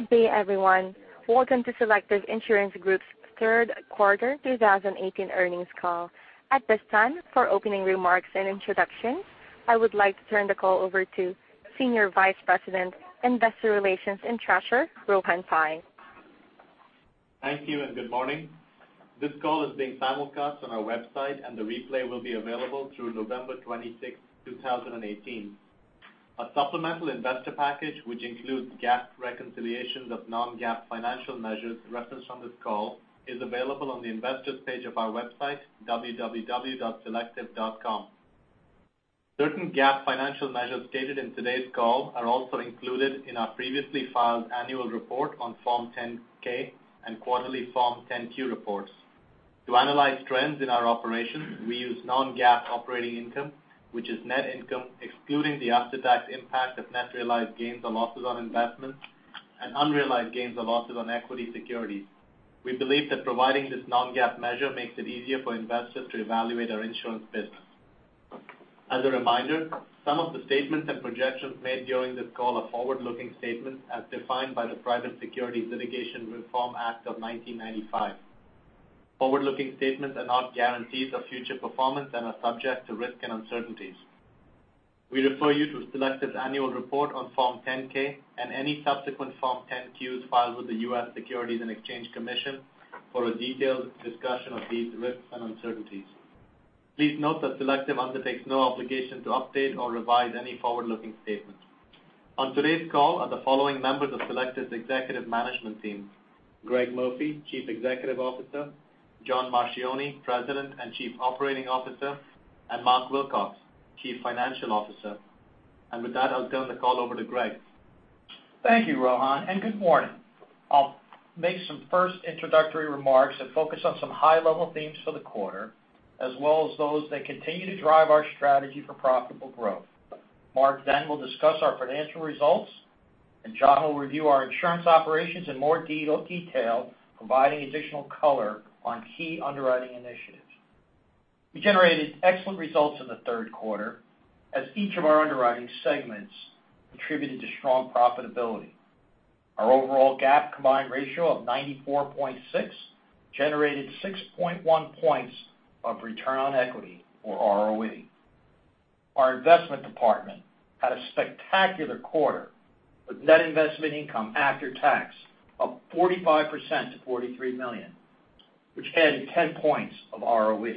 Good day, everyone. Welcome to Selective Insurance Group's third quarter 2018 earnings call. At this time, for opening remarks and introductions, I would like to turn the call over to Senior Vice President, Investor Relations and Treasurer, Rohan Pai. Thank you. Good morning. This call is being simulcast on our website, and the replay will be available through November 26th, 2018. A supplemental investor package, which includes GAAP reconciliations of non-GAAP financial measures referenced on this call, is available on the investor's page of our website, www.selective.com. Certain GAAP financial measures stated in today's call are also included in our previously filed annual report on Form 10-K and quarterly Form 10-Q reports. To analyze trends in our operations, we use non-GAAP operating income, which is net income, excluding the after-tax impact of net realized gains or losses on investments and unrealized gains or losses on equity securities. We believe that providing this non-GAAP measure makes it easier for investors to evaluate our insurance business. As a reminder, some of the statements and projections made during this call are forward-looking statements as defined by the Private Securities Litigation Reform Act of 1995. Forward-looking statements are not guarantees of future performance and are subject to risk and uncertainties. We refer you to Selective's annual report on Form 10-K and any subsequent Form 10-Qs filed with the U.S. Securities and Exchange Commission for a detailed discussion of these risks and uncertainties. Please note that Selective undertakes no obligation to update or revise any forward-looking statements. On today's call are the following members of Selective's executive management team: Greg Murphy, Chief Executive Officer; John Marchioni, President and Chief Operating Officer; and Mark Wilcox, Chief Financial Officer. With that, I'll turn the call over to Greg. Thank you, Rohan. Good morning. I'll make some first introductory remarks and focus on some high-level themes for the quarter, as well as those that continue to drive our strategy for profitable growth. Mark then will discuss our financial results, and John will review our insurance operations in more detail, providing additional color on key underwriting initiatives. We generated excellent results in the third quarter as each of our underwriting segments contributed to strong profitability. Our overall GAAP combined ratio of 94.6 generated 6.1 points of return on equity, or ROE. Our investment department had a spectacular quarter, with net investment income after tax up 45% to $43 million, which added 10 points of ROE.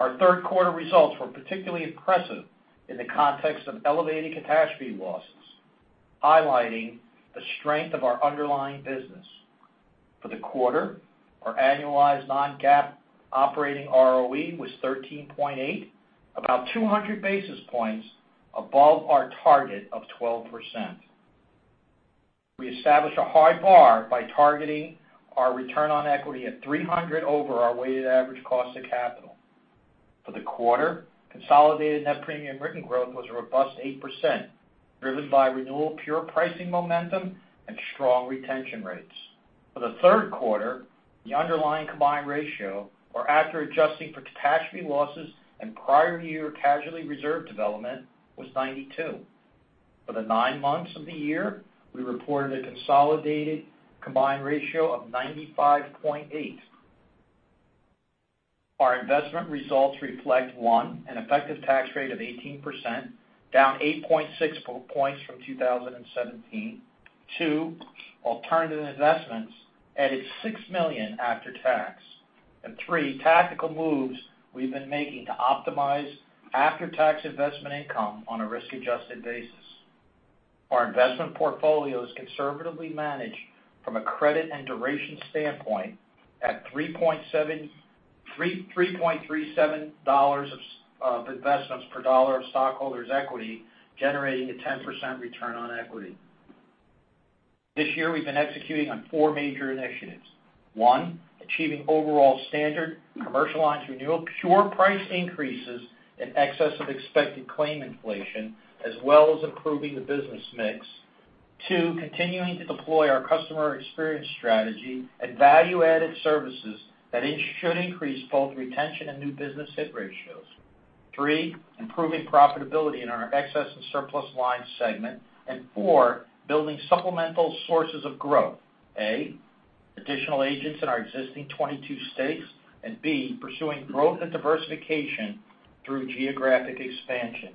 Our third quarter results were particularly impressive in the context of elevated catastrophe losses, highlighting the strength of our underlying business. For the quarter, our annualized non-GAAP operating ROE was 13.8%, about 200 basis points above our target of 12%. We established a high bar by targeting our return on equity at 300 over our weighted average cost of capital. For the quarter, consolidated net premium written growth was a robust 8%, driven by renewal pure pricing momentum and strong retention rates. For the third quarter, the underlying combined ratio, or after adjusting for catastrophe losses and prior year casualty reserve development, was 92%. For the nine months of the year, we reported a consolidated combined ratio of 95.8%. Our investment results reflect, one, an effective tax rate of 18%, down 8.6 points from 2017. Two, alternative investments added $6 million after tax. Three, tactical moves we've been making to optimize after-tax investment income on a risk-adjusted basis. Our investment portfolio is conservatively managed from a credit and duration standpoint at $3.37 of investments per dollar of stockholders' equity, generating a 10% return on equity. This year, we've been executing on four major initiatives. One, achieving overall standard commercial lines renewal pure price increases in excess of expected claim inflation, as well as improving the business mix. Two, continuing to deploy our customer experience strategy and value-added services that should increase both retention and new business hit ratios. Three, improving profitability in our excess and surplus line segment. Four, building supplemental sources of growth, A, additional agents in our existing 22 states, and B, pursuing growth and diversification through geographic expansion.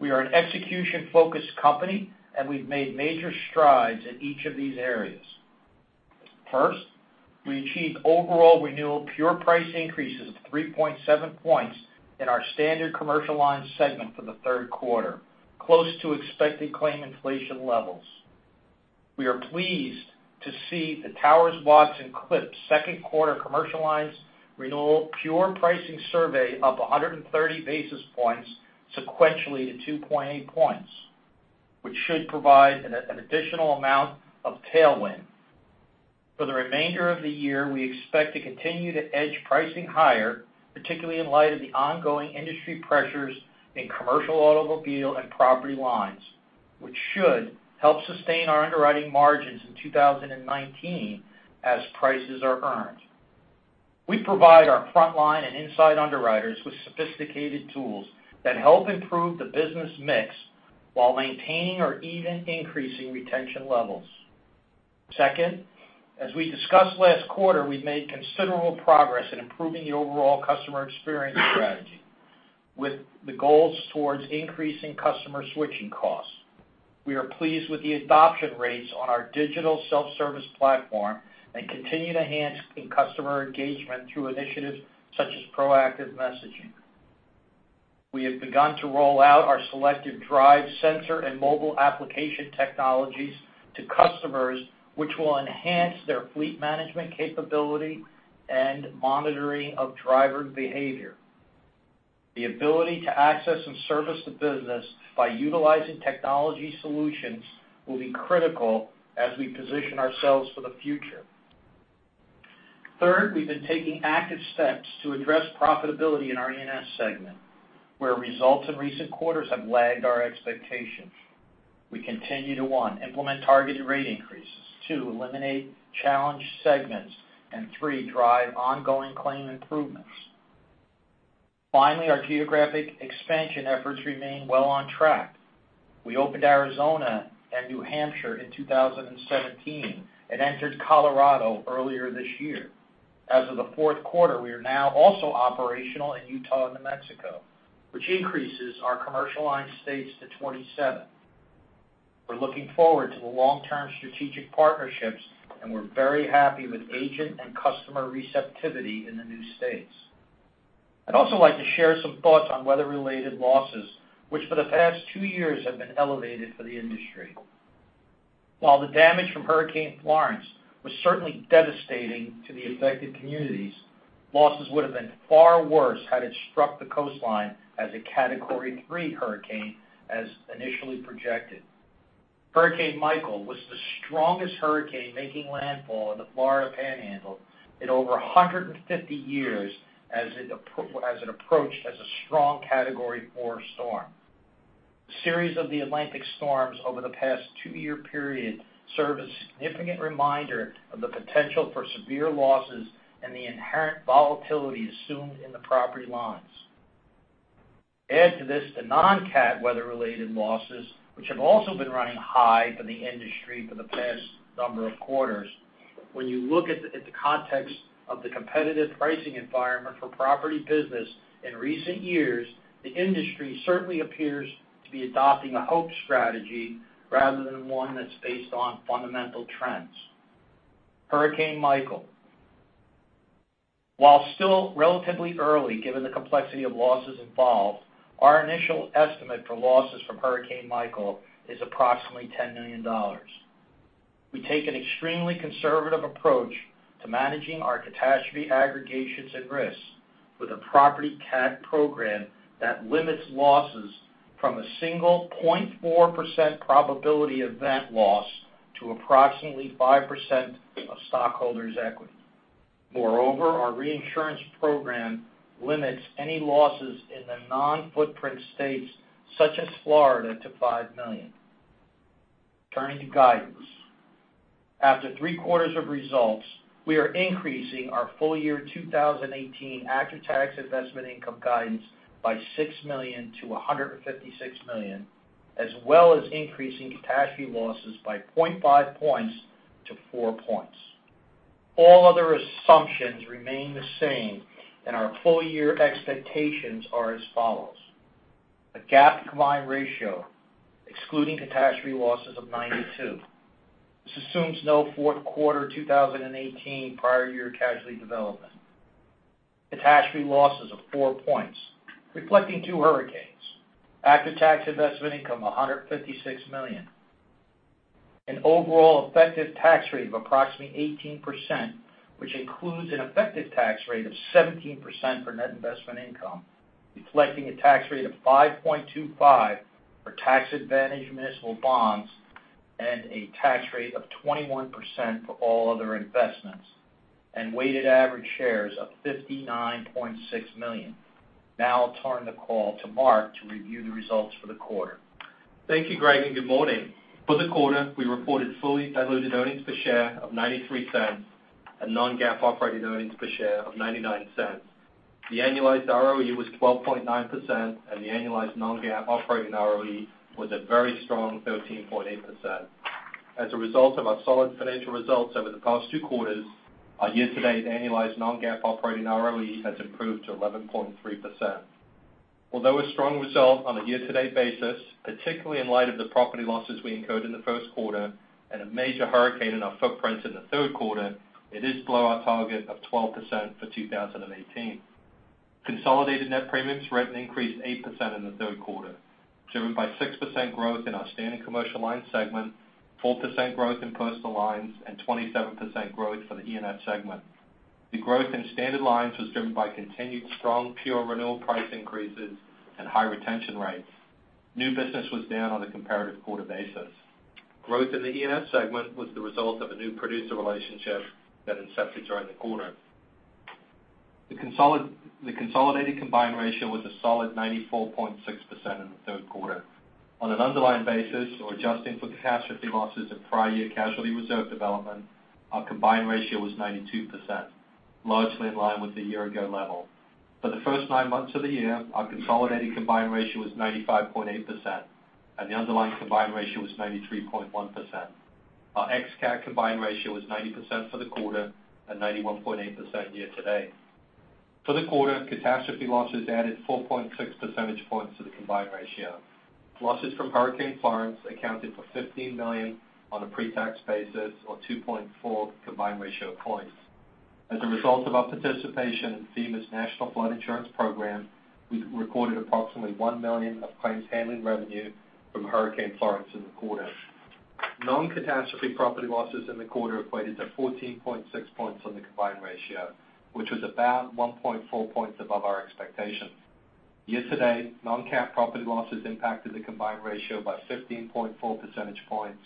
We are an execution-focused company, and we've made major strides in each of these areas. First, we achieved overall renewal pure price increases of 3.7 points in our standard commercial lines segment for the third quarter, close to expected claim inflation levels. We are pleased to see the Willis Towers Watson CLIPS second quarter commercial lines renewal pure pricing survey up 130 basis points sequentially to 2.8 points, which should provide an additional amount of tailwind. For the remainder of the year, we expect to continue to edge pricing higher, particularly in light of the ongoing industry pressures in commercial automobile and property lines, which should help sustain our underwriting margins in 2019 as prices are earned. We provide our frontline and inside underwriters with sophisticated tools that help improve the business mix while maintaining or even increasing retention levels. Second, as we discussed last quarter, we've made considerable progress in improving the overall customer experience strategy with the goals towards increasing customer switching costs. We are pleased with the adoption rates on our digital self-service platform and continue to enhance customer engagement through initiatives such as proactive messaging. We have begun to roll out our Selective Drive sensor and mobile application technologies to customers, which will enhance their fleet management capability and monitoring of driver behavior. The ability to access and service the business by utilizing technology solutions will be critical as we position ourselves for the future. Third, we've been taking active steps to address profitability in our E&S segment, where results in recent quarters have lagged our expectations. We continue to, one, implement targeted rate increases, two, eliminate challenge segments, and three, drive ongoing claim improvements. Finally, our geographic expansion efforts remain well on track. We opened Arizona and New Hampshire in 2017 and entered Colorado earlier this year. As of the fourth quarter, we are now also operational in Utah and New Mexico, which increases our Commercial Lines states to 27. We are looking forward to the long-term strategic partnerships, and we are very happy with agent and customer receptivity in the new states. I would also like to share some thoughts on weather-related losses, which for the past two years have been elevated for the industry. While the damage from Hurricane Florence was certainly devastating to the affected communities, losses would have been far worse had it struck the coastline as a Category 3 hurricane as initially projected. Hurricane Michael was the strongest hurricane making landfall in the Florida Panhandle in over 150 years as it approached as a strong Category 4 storm. The series of the Atlantic storms over the past two-year period serve as a significant reminder of the potential for severe losses and the inherent volatility assumed in the property lines. Add to this the non-CAT weather-related losses, which have also been running high for the industry for the past number of quarters. When you look at the context of the competitive pricing environment for property business in recent years, the industry certainly appears to be adopting a hope strategy rather than one that is based on fundamental trends. Hurricane Michael. While still relatively early, given the complexity of losses involved, our initial estimate for losses from Hurricane Michael is approximately $10 million. We take an extremely conservative approach to managing our catastrophe aggregations at risk with a property CAT program that limits losses from a single 0.4% probability event loss to approximately 5% of stockholders' equity. Moreover, our reinsurance program limits any losses in the non-footprint states, such as Florida, to $5 million. Turning to guidance. After three quarters of results, we are increasing our full year 2018 after-tax investment income guidance by $6 million to $156 million, as well as increasing catastrophe losses by 0.5 points to four points. All other assumptions remain the same, and our full-year expectations are as follows. A GAAP combined ratio, excluding catastrophe losses of 92. This assumes no fourth quarter 2018 prior year casualty development. Catastrophe losses of four points, reflecting two hurricanes. After-tax investment income, $156 million. An overall effective tax rate of approximately 18%, which includes an effective tax rate of 17% for net investment income, reflecting a tax rate of 5.25% for tax-advantaged municipal bonds and a tax rate of 21% for all other investments and weighted average shares of 59.6 million. Now I will turn the call to Mark to review the results for the quarter. Thank you, Greg, and good morning. For the quarter, we reported fully diluted earnings per share of $0.93 and non-GAAP operating earnings per share of $0.99. The annualized ROE was 12.9%, and the annualized non-GAAP operating ROE was a very strong 13.8%. As a result of our solid financial results over the past two quarters, our year-to-date annualized non-GAAP operating ROE has improved to 11.3%. Although a strong result on a year-to-date basis, particularly in light of the property losses we incurred in the first quarter and a major hurricane in our footprint in the third quarter, it is below our target of 12% for 2018. Consolidated net premiums written increased 8% in the third quarter, driven by 6% growth in our Standard Commercial Lines segment, 4% growth in Personal Lines, and 27% growth for the E&S segment. The growth in Standard Lines was driven by continued strong pure renewal price increases and high retention rates. New business was down on a comparative quarter basis. Growth in the E&S segment was the result of a new producer relationship that incepted during the quarter. The consolidated combined ratio was a solid 94.6% in the third quarter. On an underlying basis or adjusting for catastrophe losses in prior year casualty reserve development, our combined ratio was 92%, largely in line with the year ago level. For the first nine months of the year, our consolidated combined ratio was 95.8%, and the underlying combined ratio was 93.1%. Our ex-CAT combined ratio was 90% for the quarter and 91.8% year-to-date. For the quarter, catastrophe losses added 4.6 percentage points to the combined ratio. Losses from Hurricane Florence accounted for $15 million on a pre-tax basis or 2.4 combined ratio points. As a result of our participation in FEMA's National Flood Insurance Program, we recorded approximately $1 million of claims handling revenue from Hurricane Florence in the quarter. Non-catastrophe property losses in the quarter equated to 14.6 points on the combined ratio, which was about 1.4 points above our expectation. Year-to-date, non-CAT property losses impacted the combined ratio by 15.4 percentage points,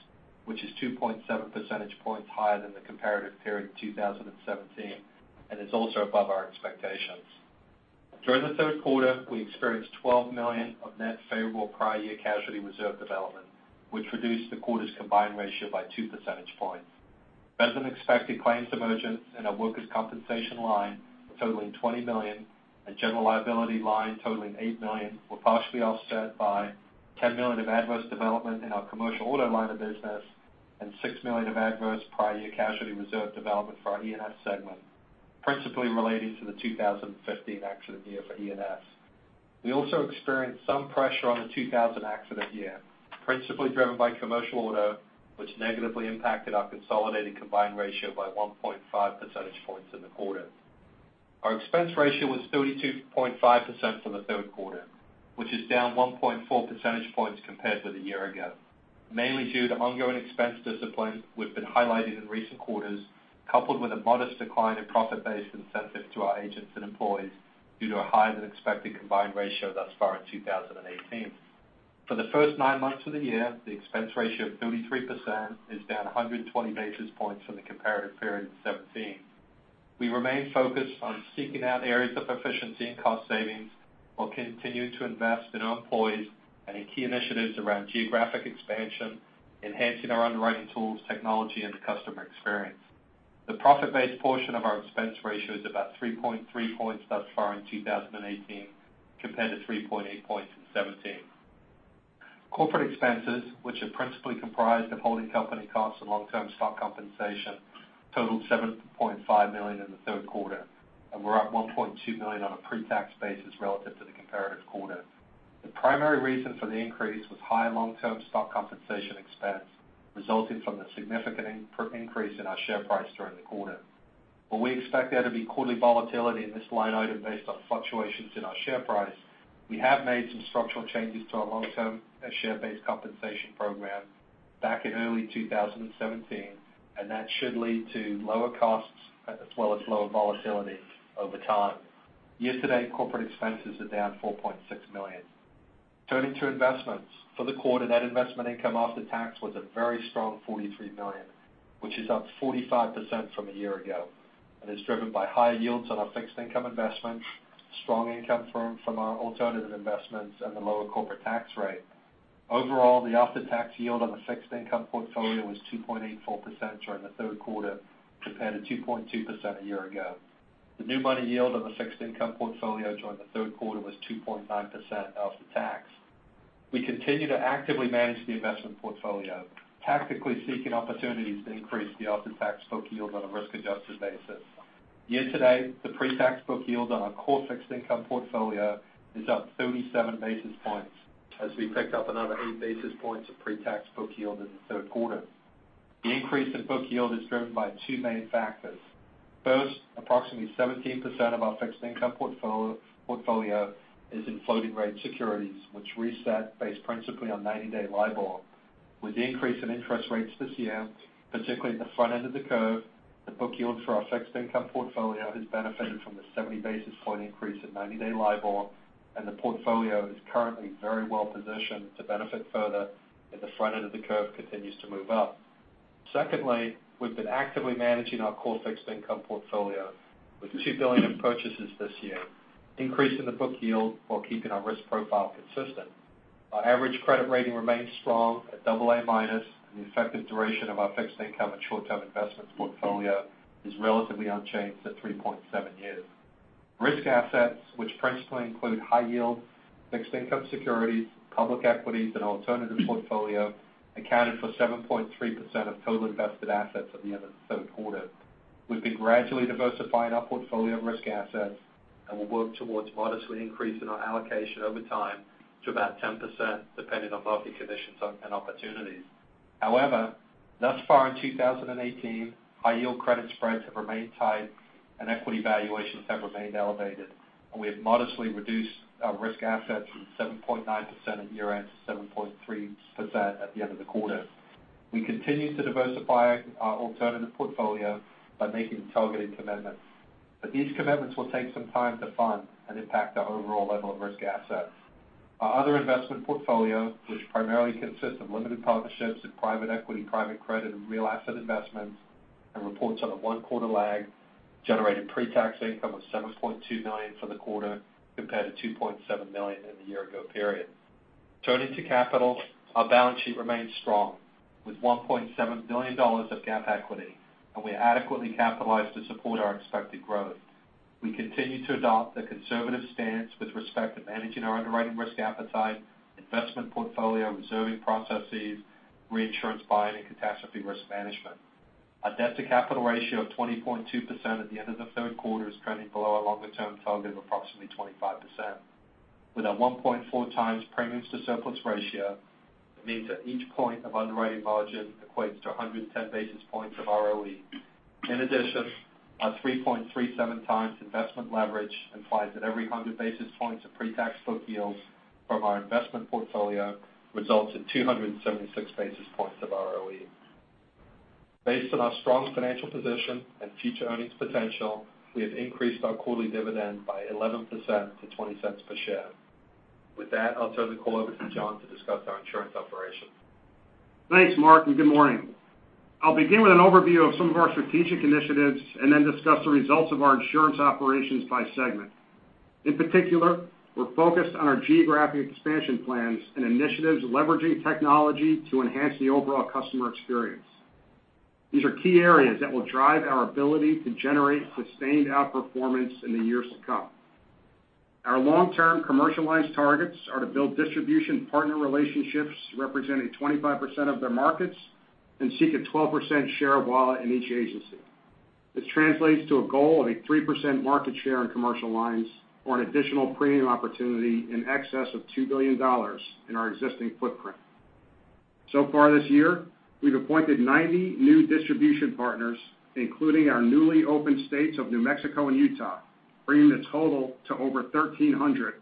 which is 2.7 percentage points higher than the comparative period in 2017, and is also above our expectations. During the third quarter, we experienced $12 million of net favorable prior year casualty reserve development, which reduced the quarter's combined ratio by two percentage points. Better than expected claims emergence in our Workers' Compensation line totaling $20 million and General Liability line totaling $8 million were partially offset by $10 million of adverse development in our Commercial Auto line of business and $6 million of adverse prior year casualty reserve development for our E&S segment, principally relating to the 2015 accident year for E&S. We also experienced some pressure on the 2000 accident year, principally driven by Commercial Auto, which negatively impacted our consolidated combined ratio by 1.5 percentage points in the quarter. Our expense ratio was 32.5% for the third quarter, which is down 1.4 percentage points compared with a year ago, mainly due to ongoing expense discipline we've been highlighting in recent quarters, coupled with a modest decline in profit-based incentives to our agents and employees due to a higher than expected combined ratio thus far in 2018. For the first nine months of the year, the expense ratio of 33% is down 120 basis points from the comparative period in 2017. We remain focused on seeking out areas of efficiency and cost savings, while continuing to invest in our employees and in key initiatives around geographic expansion, enhancing our underwriting tools, technology, and the customer experience. The profit-based portion of our expense ratio is about 3.3 points thus far in 2018, compared to 3.8 points in 2017. Corporate expenses, which are principally comprised of holding company costs and long-term stock compensation, totaled $7.5 million in the third quarter and were up $1.2 million on a pre-tax basis relative to the comparative quarter. The primary reason for the increase was higher long-term stock compensation expense resulting from the significant increase in our share price during the quarter. While we expect there to be quarterly volatility in this line item based on fluctuations in our share price, we have made some structural changes to our long-term share-based compensation program back in early 2017, that should lead to lower costs as well as lower volatility over time. Year to date, corporate expenses are down $4.6 million. Turning to investments. For the quarter, net investment income after tax was a very strong $43 million, which is up 45% from a year ago and is driven by higher yields on our fixed income investment, strong income from our alternative investments, and the lower corporate tax rate. Overall, the after-tax yield on the fixed income portfolio was 2.84% during the third quarter, compared to 2.2% a year ago. The new money yield on the fixed income portfolio during the third quarter was 2.9% after tax. We continue to actively manage the investment portfolio, tactically seeking opportunities to increase the after-tax book yield on a risk-adjusted basis. Year to date, the pre-tax book yield on our core fixed income portfolio is up 37 basis points as we picked up another eight basis points of pre-tax book yield in the third quarter. The increase in book yield is driven by two main factors. First, approximately 17% of our fixed income portfolio is in floating rate securities, which reset based principally on 90-day LIBOR. With the increase in interest rates this year, particularly at the front end of the curve, the book yield for our fixed income portfolio has benefited from the 70 basis point increase in 90-day LIBOR, the portfolio is currently very well positioned to benefit further if the front end of the curve continues to move up. Secondly, we've been actively managing our core fixed income portfolio with $2 billion in purchases this year, increasing the book yield while keeping our risk profile consistent. Our average credit rating remains strong at double A minus, the effective duration of our fixed income and short-term investments portfolio is relatively unchanged at 3.7 years. Risk assets, which principally include high yield fixed income securities, public equities, and alternative portfolio, accounted for 7.3% of total invested assets at the end of the third quarter. We've been gradually diversifying our portfolio of risk assets and will work towards modestly increasing our allocation over time to about 10%, depending on market conditions and opportunities. However, thus far in 2018, high yield credit spreads have remained tight and equity valuations have remained elevated, and we have modestly reduced our risk assets from 7.9% at year end to 7.3% at the end of the quarter. We continue to diversify our alternative portfolio by making targeted commitments, but these commitments will take some time to fund and impact our overall level of risk assets. Our other investment portfolio, which primarily consists of limited partnerships in private equity, private credit, and real asset investments, and reports on a one-quarter lag, generated pretax income of $7.2 million for the quarter compared to $2.7 million in the year ago period. Turning to capital, our balance sheet remains strong with $1.7 billion of GAAP equity, and we are adequately capitalized to support our expected growth. We continue to adopt a conservative stance with respect to managing our underwriting risk appetite, investment portfolio, reserving processes, reinsurance buying, and catastrophe risk management. Our debt-to-capital ratio of 20.2% at the end of the third quarter is trending below our longer-term target of approximately 25%. With a 1.4 times premiums to surplus ratio, it means that each point of underwriting margin equates to 110 basis points of ROE. In addition, our 3.37 times investment leverage implies that every 100 basis points of pre-tax book yields from our investment portfolio results in 276 basis points of ROE. Based on our strong financial position and future earnings potential, we have increased our quarterly dividend by 11% to $0.20 per share. With that, I'll turn the call over to John to discuss our insurance operations. Thanks, Mark, and good morning. I'll begin with an overview of some of our strategic initiatives and then discuss the results of our insurance operations by segment. In particular, we're focused on our geographic expansion plans and initiatives leveraging technology to enhance the overall customer experience. These are key areas that will drive our ability to generate sustained outperformance in the years to come. Our long-term Commercial Lines targets are to build distribution partner relationships representing 25% of their markets and seek a 12% share of wallet in each agency. This translates to a goal of a 3% market share in Commercial Lines or an additional premium opportunity in excess of $2 billion in our existing footprint. So far this year, we've appointed 90 new distribution partners, including our newly opened states of New Mexico and Utah, bringing the total to over 1,300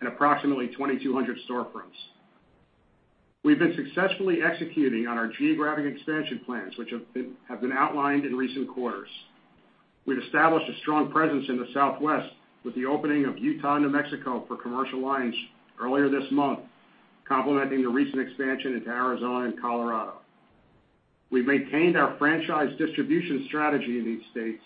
and approximately 2,200 storefronts. We've been successfully executing on our geographic expansion plans, which have been outlined in recent quarters. We've established a strong presence in the Southwest with the opening of Utah and New Mexico for Commercial Lines earlier this month, complementing the recent expansion into Arizona and Colorado. We've maintained our franchise distribution strategy in these states,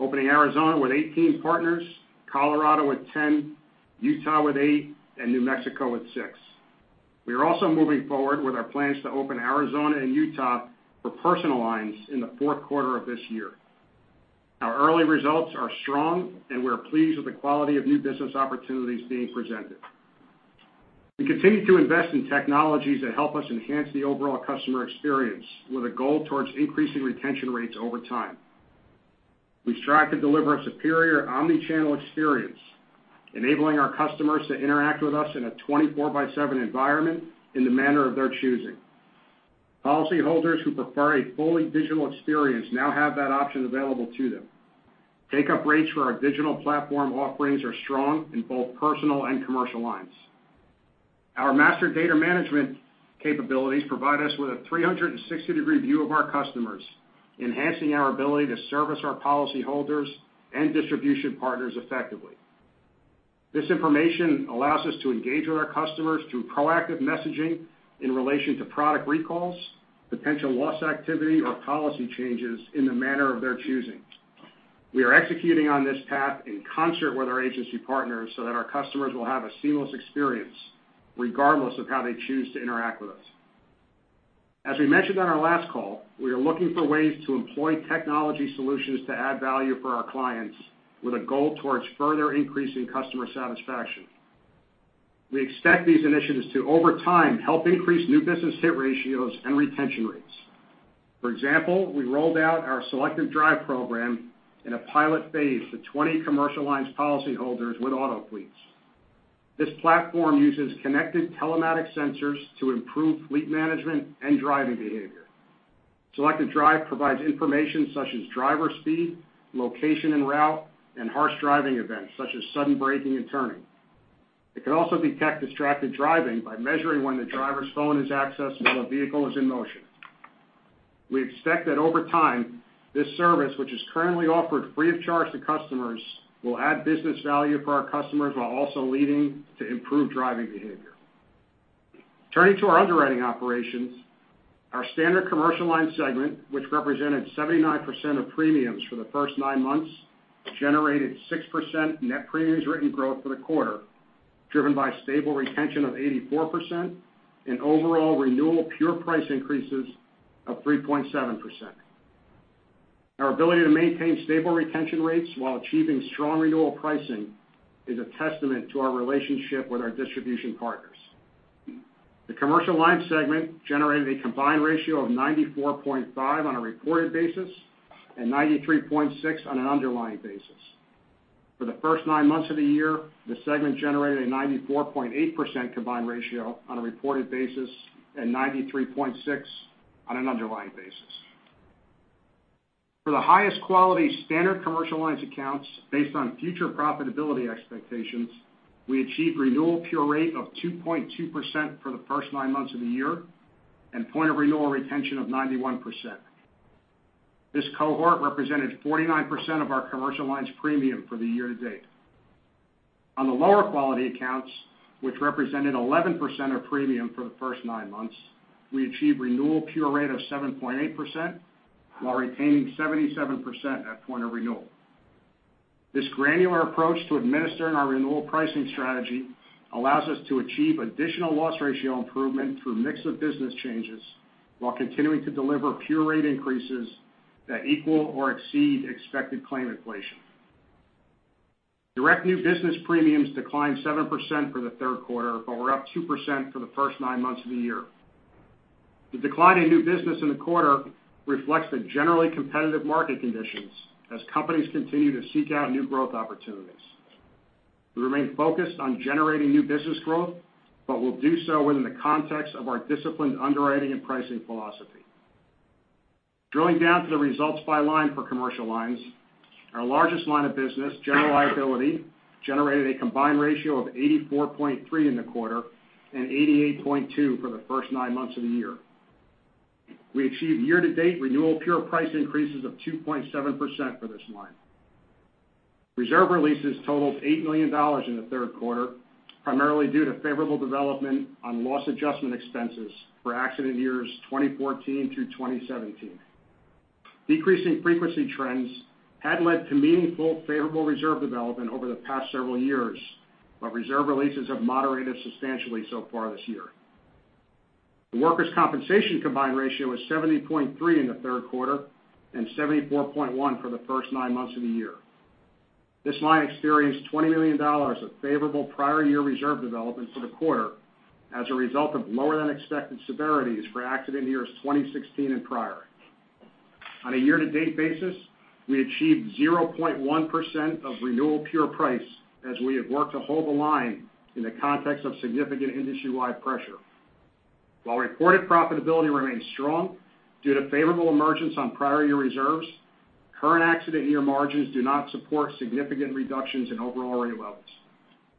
opening Arizona with 18 partners, Colorado with 10, Utah with eight, and New Mexico with six. We are also moving forward with our plans to open Arizona and Utah for Personal Lines in the fourth quarter of this year. Our early results are strong, and we're pleased with the quality of new business opportunities being presented. We continue to invest in technologies that help us enhance the overall customer experience with a goal towards increasing retention rates over time. We strive to deliver a superior omni-channel experience, enabling our customers to interact with us in a 24 by seven environment in the manner of their choosing. Policyholders who prefer a fully digital experience now have that option available to them. Take-up rates for our digital platform offerings are strong in both Personal Lines and Commercial Lines. Our master data management capabilities provide us with a 360-degree view of our customers, enhancing our ability to service our policyholders and distribution partners effectively. This information allows us to engage with our customers through proactive messaging in relation to product recalls, potential loss activity, or policy changes in the manner of their choosing. We are executing on this path in concert with our agency partners so that our customers will have a seamless experience regardless of how they choose to interact with us. As we mentioned on our last call, we are looking for ways to employ technology solutions to add value for our clients with a goal towards further increasing customer satisfaction. We expect these initiatives to, over time, help increase new business hit ratios and retention rates. For example, we rolled out our Selective Drive program in a pilot phase to 20 Commercial Lines policyholders with auto fleets. This platform uses connected telematics sensors to improve fleet management and driving behavior. Selective Drive provides information such as driver speed, location and route, and harsh driving events such as sudden braking and turning. It can also detect distracted driving by measuring when the driver's phone is accessed while the vehicle is in motion. We expect that over time, this service, which is currently offered free of charge to customers, will add business value for our customers while also leading to improved driving behavior. Turning to our underwriting operations, our Standard Commercial Lines segment, which represented 79% of premiums for the first nine months, generated 6% net premiums written growth for the quarter, driven by stable retention of 84% and overall renewal pure price increases of 3.7%. Our ability to maintain stable retention rates while achieving strong renewal pricing is a testament to our relationship with our distribution partners. The Commercial Lines segment generated a combined ratio of 94.5% on a reported basis and 93.6% on an underlying basis. For the first nine months of the year, the segment generated a 94.8% combined ratio on a reported basis and 93.6% on an underlying basis. For the highest quality Standard Commercial Lines accounts, based on future profitability expectations, we achieved renewal pure rate of 2.2% for the first nine months of the year and point of renewal retention of 91%. This cohort represented 49% of our Commercial Lines premium for the year to date. On the lower quality accounts, which represented 11% of premium for the first nine months, we achieved renewal pure rate of 7.8% while retaining 77% at point of renewal. This granular approach to administering our renewal pricing strategy allows us to achieve additional loss ratio improvement through mix of business changes while continuing to deliver pure rate increases that equal or exceed expected claim inflation. Direct new business premiums declined 7% for the third quarter, but were up 2% for the first nine months of the year. The decline in new business in the quarter reflects the generally competitive market conditions as companies continue to seek out new growth opportunities. We remain focused on generating new business growth, but will do so within the context of our disciplined underwriting and pricing philosophy. Drilling down to the results by line for Commercial Lines, our largest line of business, General Liability, generated a combined ratio of 84.3 in the quarter and 88.2 for the first nine months of the year. We achieved year-to-date renewal pure price increases of 2.7% for this line. Reserve releases totaled $8 million in the third quarter, primarily due to favorable development on loss adjustment expenses for accident years 2014 through 2017. Decreasing frequency trends had led to meaningful favorable reserve development over the past several years, but reserve releases have moderated substantially so far this year. The Workers' Compensation combined ratio was 70.3 in the third quarter and 74.1 for the first nine months of the year. This line experienced $20 million of favorable prior year reserve development for the quarter as a result of lower than expected severities for accident years 2016 and prior. On a year-to-date basis, we achieved 0.1% of renewal pure price as we have worked to hold the line in the context of significant industry-wide pressure. While reported profitability remains strong due to favorable emergence on prior year reserves, current accident year margins do not support significant reductions in overall rate levels.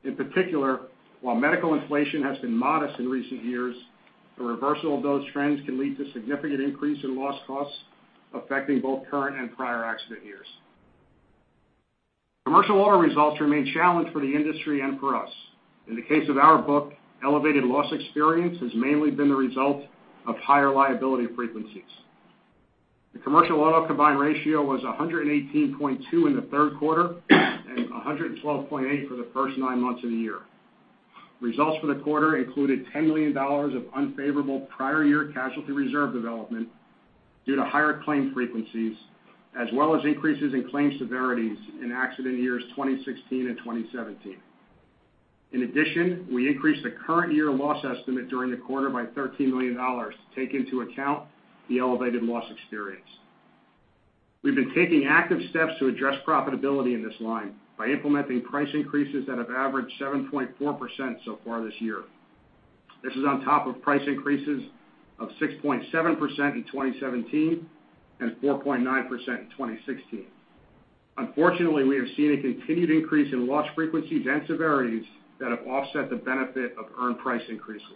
In particular, while medical inflation has been modest in recent years, the reversal of those trends can lead to significant increase in loss costs affecting both current and prior accident years. Commercial Auto results remain challenged for the industry and for us. In the case of our book, elevated loss experience has mainly been the result of higher liability frequencies. The Commercial Auto combined ratio was 118.2 in the third quarter and 112.8 for the first nine months of the year. Results for the quarter included $10 million of unfavorable prior year casualty reserve development due to higher claim frequencies as well as increases in claim severities in accident years 2016 and 2017. In addition, we increased the current year loss estimate during the quarter by $13 million to take into account the elevated loss experience. We've been taking active steps to address profitability in this line by implementing price increases that have averaged 7.4% so far this year. This is on top of price increases of 6.7% in 2017 and 4.9% in 2016. Unfortunately, we have seen a continued increase in loss frequencies and severities that have offset the benefit of earned price increases.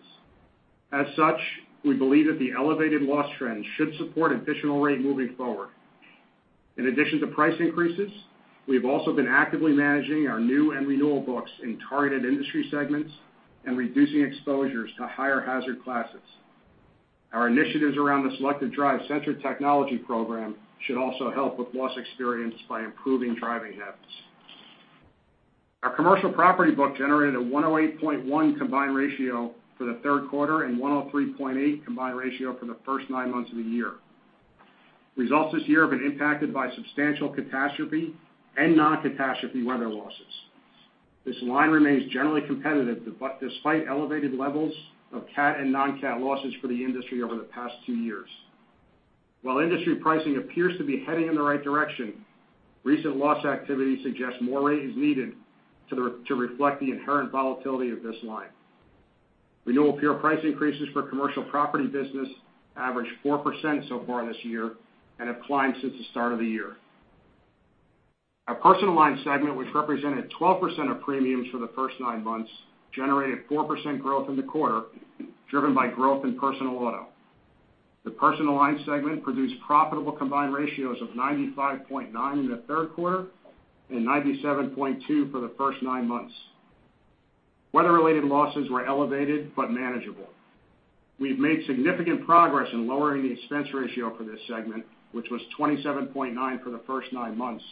As such, we believe that the elevated loss trend should support additional rate moving forward. In addition to price increases, we have also been actively managing our new and renewal books in targeted industry segments and reducing exposures to higher hazard classes. Our initiatives around the Selective Drive centered technology program should also help with loss experience by improving driving habits. Our Commercial Property book generated a 108.1 combined ratio for the third quarter and 103.8 combined ratio for the first nine months of the year. This line remains generally competitive despite elevated levels of cat and non-cat losses for the industry over the past two years. While industry pricing appears to be heading in the right direction, recent loss activity suggests more rate is needed to reflect the inherent volatility of this line. Renewal pure price increases for Commercial Property business averaged 4% so far this year and have climbed since the start of the year. Our Personal Lines segment, which represented 12% of premiums for the first nine months, generated 4% growth in the quarter, driven by growth in Personal Auto. The Personal Lines segment produced profitable combined ratios of 95.9 in the third quarter and 97.2 for the first nine months. Weather-related losses were elevated but manageable. We've made significant progress in lowering the expense ratio for this segment, which was 27.9 for the first nine months,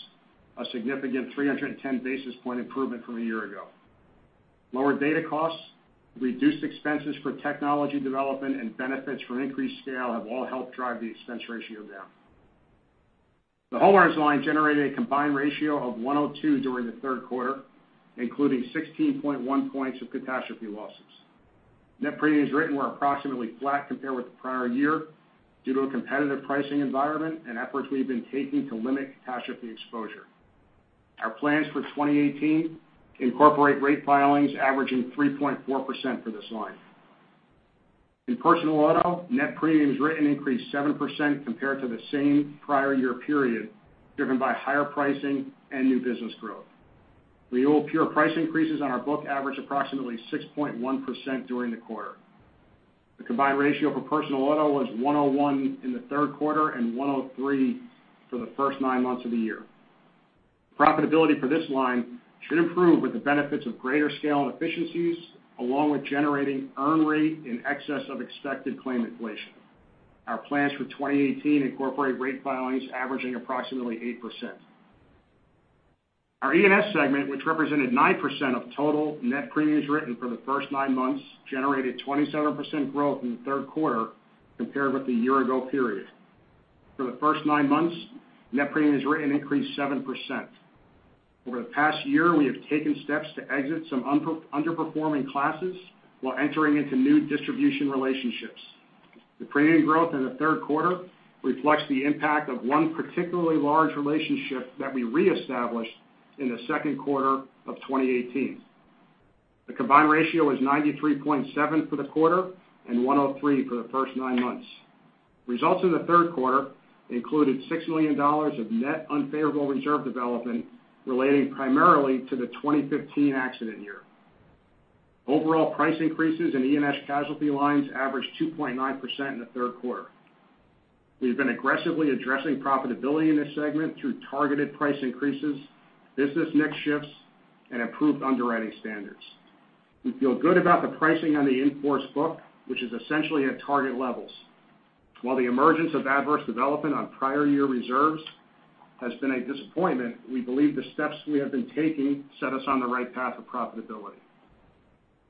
a significant 310 basis point improvement from a year ago. Lower data costs, reduced expenses for technology development, and benefits from increased scale have all helped drive the expense ratio down. The homeowners line generated a combined ratio of 102 during the third quarter, including 16.1 points of catastrophe losses. Net premiums written were approximately flat compared with the prior year due to a competitive pricing environment and efforts we've been taking to limit catastrophe exposure. Our plans for 2018 incorporate rate filings averaging 3.4% for this line. In Personal Auto, net premiums written increased 7% compared to the same prior year period, driven by higher pricing and new business growth. Renewal pure price increases on our book averaged approximately 6.1% during the quarter. The combined ratio for Personal Auto was 101 in the third quarter and 103 for the first nine months of the year. Profitability for this line should improve with the benefits of greater scale and efficiencies, along with generating earn rate in excess of expected claim inflation. Our plans for 2018 incorporate rate filings averaging approximately 8%. Our E&S segment, which represented 9% of total net premiums written for the first nine months, generated 27% growth in the third quarter compared with the year ago period. For the first nine months, net premiums written increased 7%. Over the past year, we have taken steps to exit some underperforming classes while entering into new distribution relationships. The premium growth in the third quarter reflects the impact of one particularly large relationship that we reestablished in the second quarter of 2018. The combined ratio was 93.7 for the quarter and 103 for the first nine months. Results in the third quarter included $6 million of net unfavorable reserve development relating primarily to the 2015 accident year. Overall price increases in E&S casualty lines averaged 2.9% in the third quarter. We've been aggressively addressing profitability in this segment through targeted price increases, business mix shifts, and improved underwriting standards. We feel good about the pricing on the in-force book, which is essentially at target levels. While the emergence of adverse development on prior year reserves has been a disappointment, we believe the steps we have been taking set us on the right path of profitability.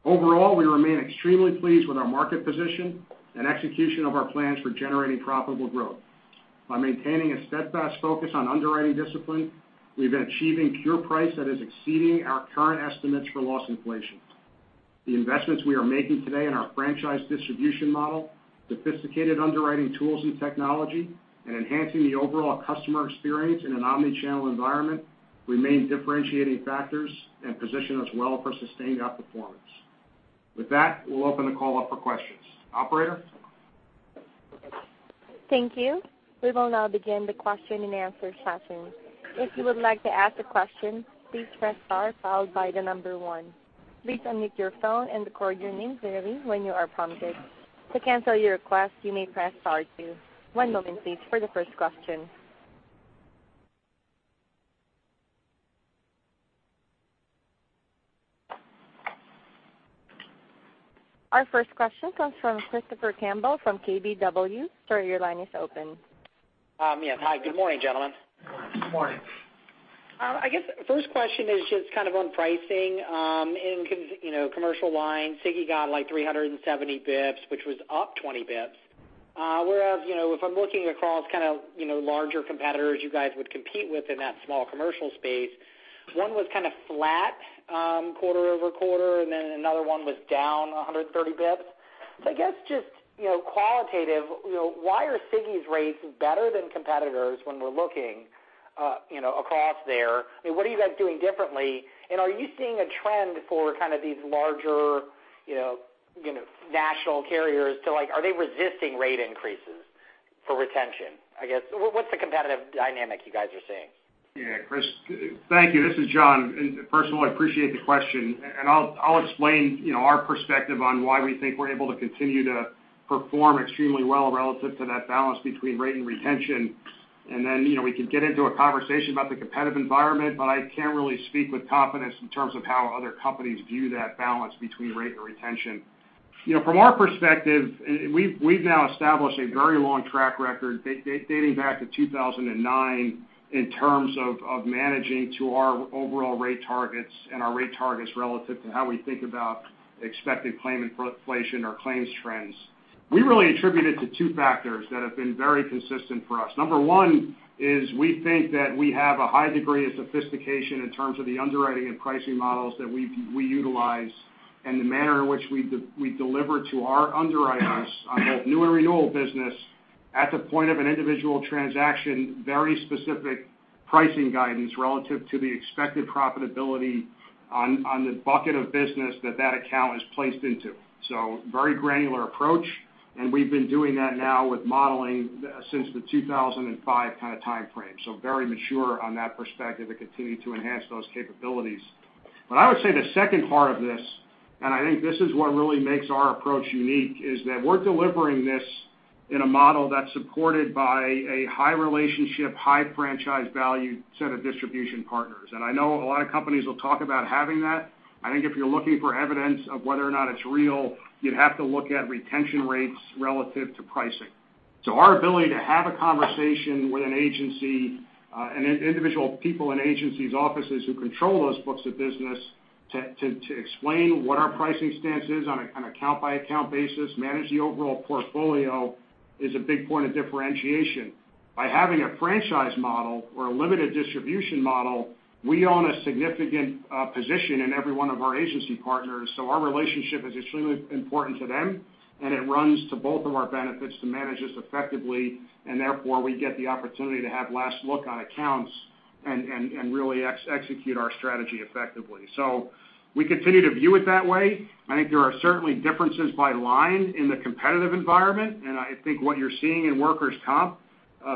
Overall, we remain extremely pleased with our market position and execution of our plans for generating profitable growth. By maintaining a steadfast focus on underwriting discipline, we've been achieving pure price that is exceeding our current estimates for loss inflation. The investments we are making today in our franchise distribution model, sophisticated underwriting tools and technology, and enhancing the overall customer experience in an omni-channel environment remain differentiating factors and position us well for sustained outperformance. With that, we'll open the call up for questions. Operator? Thank you. We will now begin the question and answer session. If you would like to ask a question, please press star followed by the number one. Please unmute your phone and record your name clearly when you are prompted. To cancel your request, you may press star two. One moment please for the first question. Our first question comes from Christopher Campbell from KBW. Sir, your line is open. Yes. Hi, good morning, gentlemen. Good morning. Good morning. I guess first question is just on pricing. In commercial lines, SIGI got 370 basis points, which was up 20 basis points. Whereas, if I'm looking across larger competitors you guys would compete with in that small commercial space, one was kind of flat quarter-over-quarter, then another one was down 130 basis points. I guess just qualitative, why are SIGI's rates better than competitors when we're looking across there? What are you guys doing differently? Are you seeing a trend for these larger national carriers to like, are they resisting rate increases for retention? I guess, what's the competitive dynamic you guys are seeing? Yeah, Chris, thank you. This is John. First of all, I appreciate the question, and I'll explain our perspective on why we think we're able to continue to perform extremely well relative to that balance between rate and retention. Then, we can get into a conversation about the competitive environment, but I can't really speak with confidence in terms of how other companies view that balance between rate and retention. From our perspective, we've now established a very long track record dating back to 2009 in terms of managing to our overall rate targets and our rate targets relative to how we think about expected claim inflation or claims trends. We really attribute it to two factors that have been very consistent for us. Number one is we think that we have a high degree of sophistication in terms of the underwriting and pricing models that we utilize and the manner in which we deliver to our underwriters on both new and renewal business at the point of an individual transaction, very specific pricing guidance relative to the expected profitability on the bucket of business that that account is placed into. Very granular approach, and we've been doing that now with modeling since the 2005 kind of timeframe. Very mature on that perspective and continue to enhance those capabilities. I would say the second part of this, and I think this is what really makes our approach unique, is that we're delivering this in a model that's supported by a high relationship, high franchise value set of distribution partners. I know a lot of companies will talk about having that. I think if you're looking for evidence of whether or not it's real, you'd have to look at retention rates relative to pricing. Our ability to have a conversation with an agency, and individual people in agencies, offices who control those books of business, to explain what our pricing stance is on an account-by-account basis, manage the overall portfolio, is a big point of differentiation. By having a franchise model or a limited distribution model, we own a significant position in every one of our agency partners. Our relationship is extremely important to them, and it runs to both of our benefits to manage this effectively, and therefore, we get the opportunity to have last look on accounts and really execute our strategy effectively. We continue to view it that way. I think there are certainly differences by line in the competitive environment. I think what you're seeing in Workers' Comp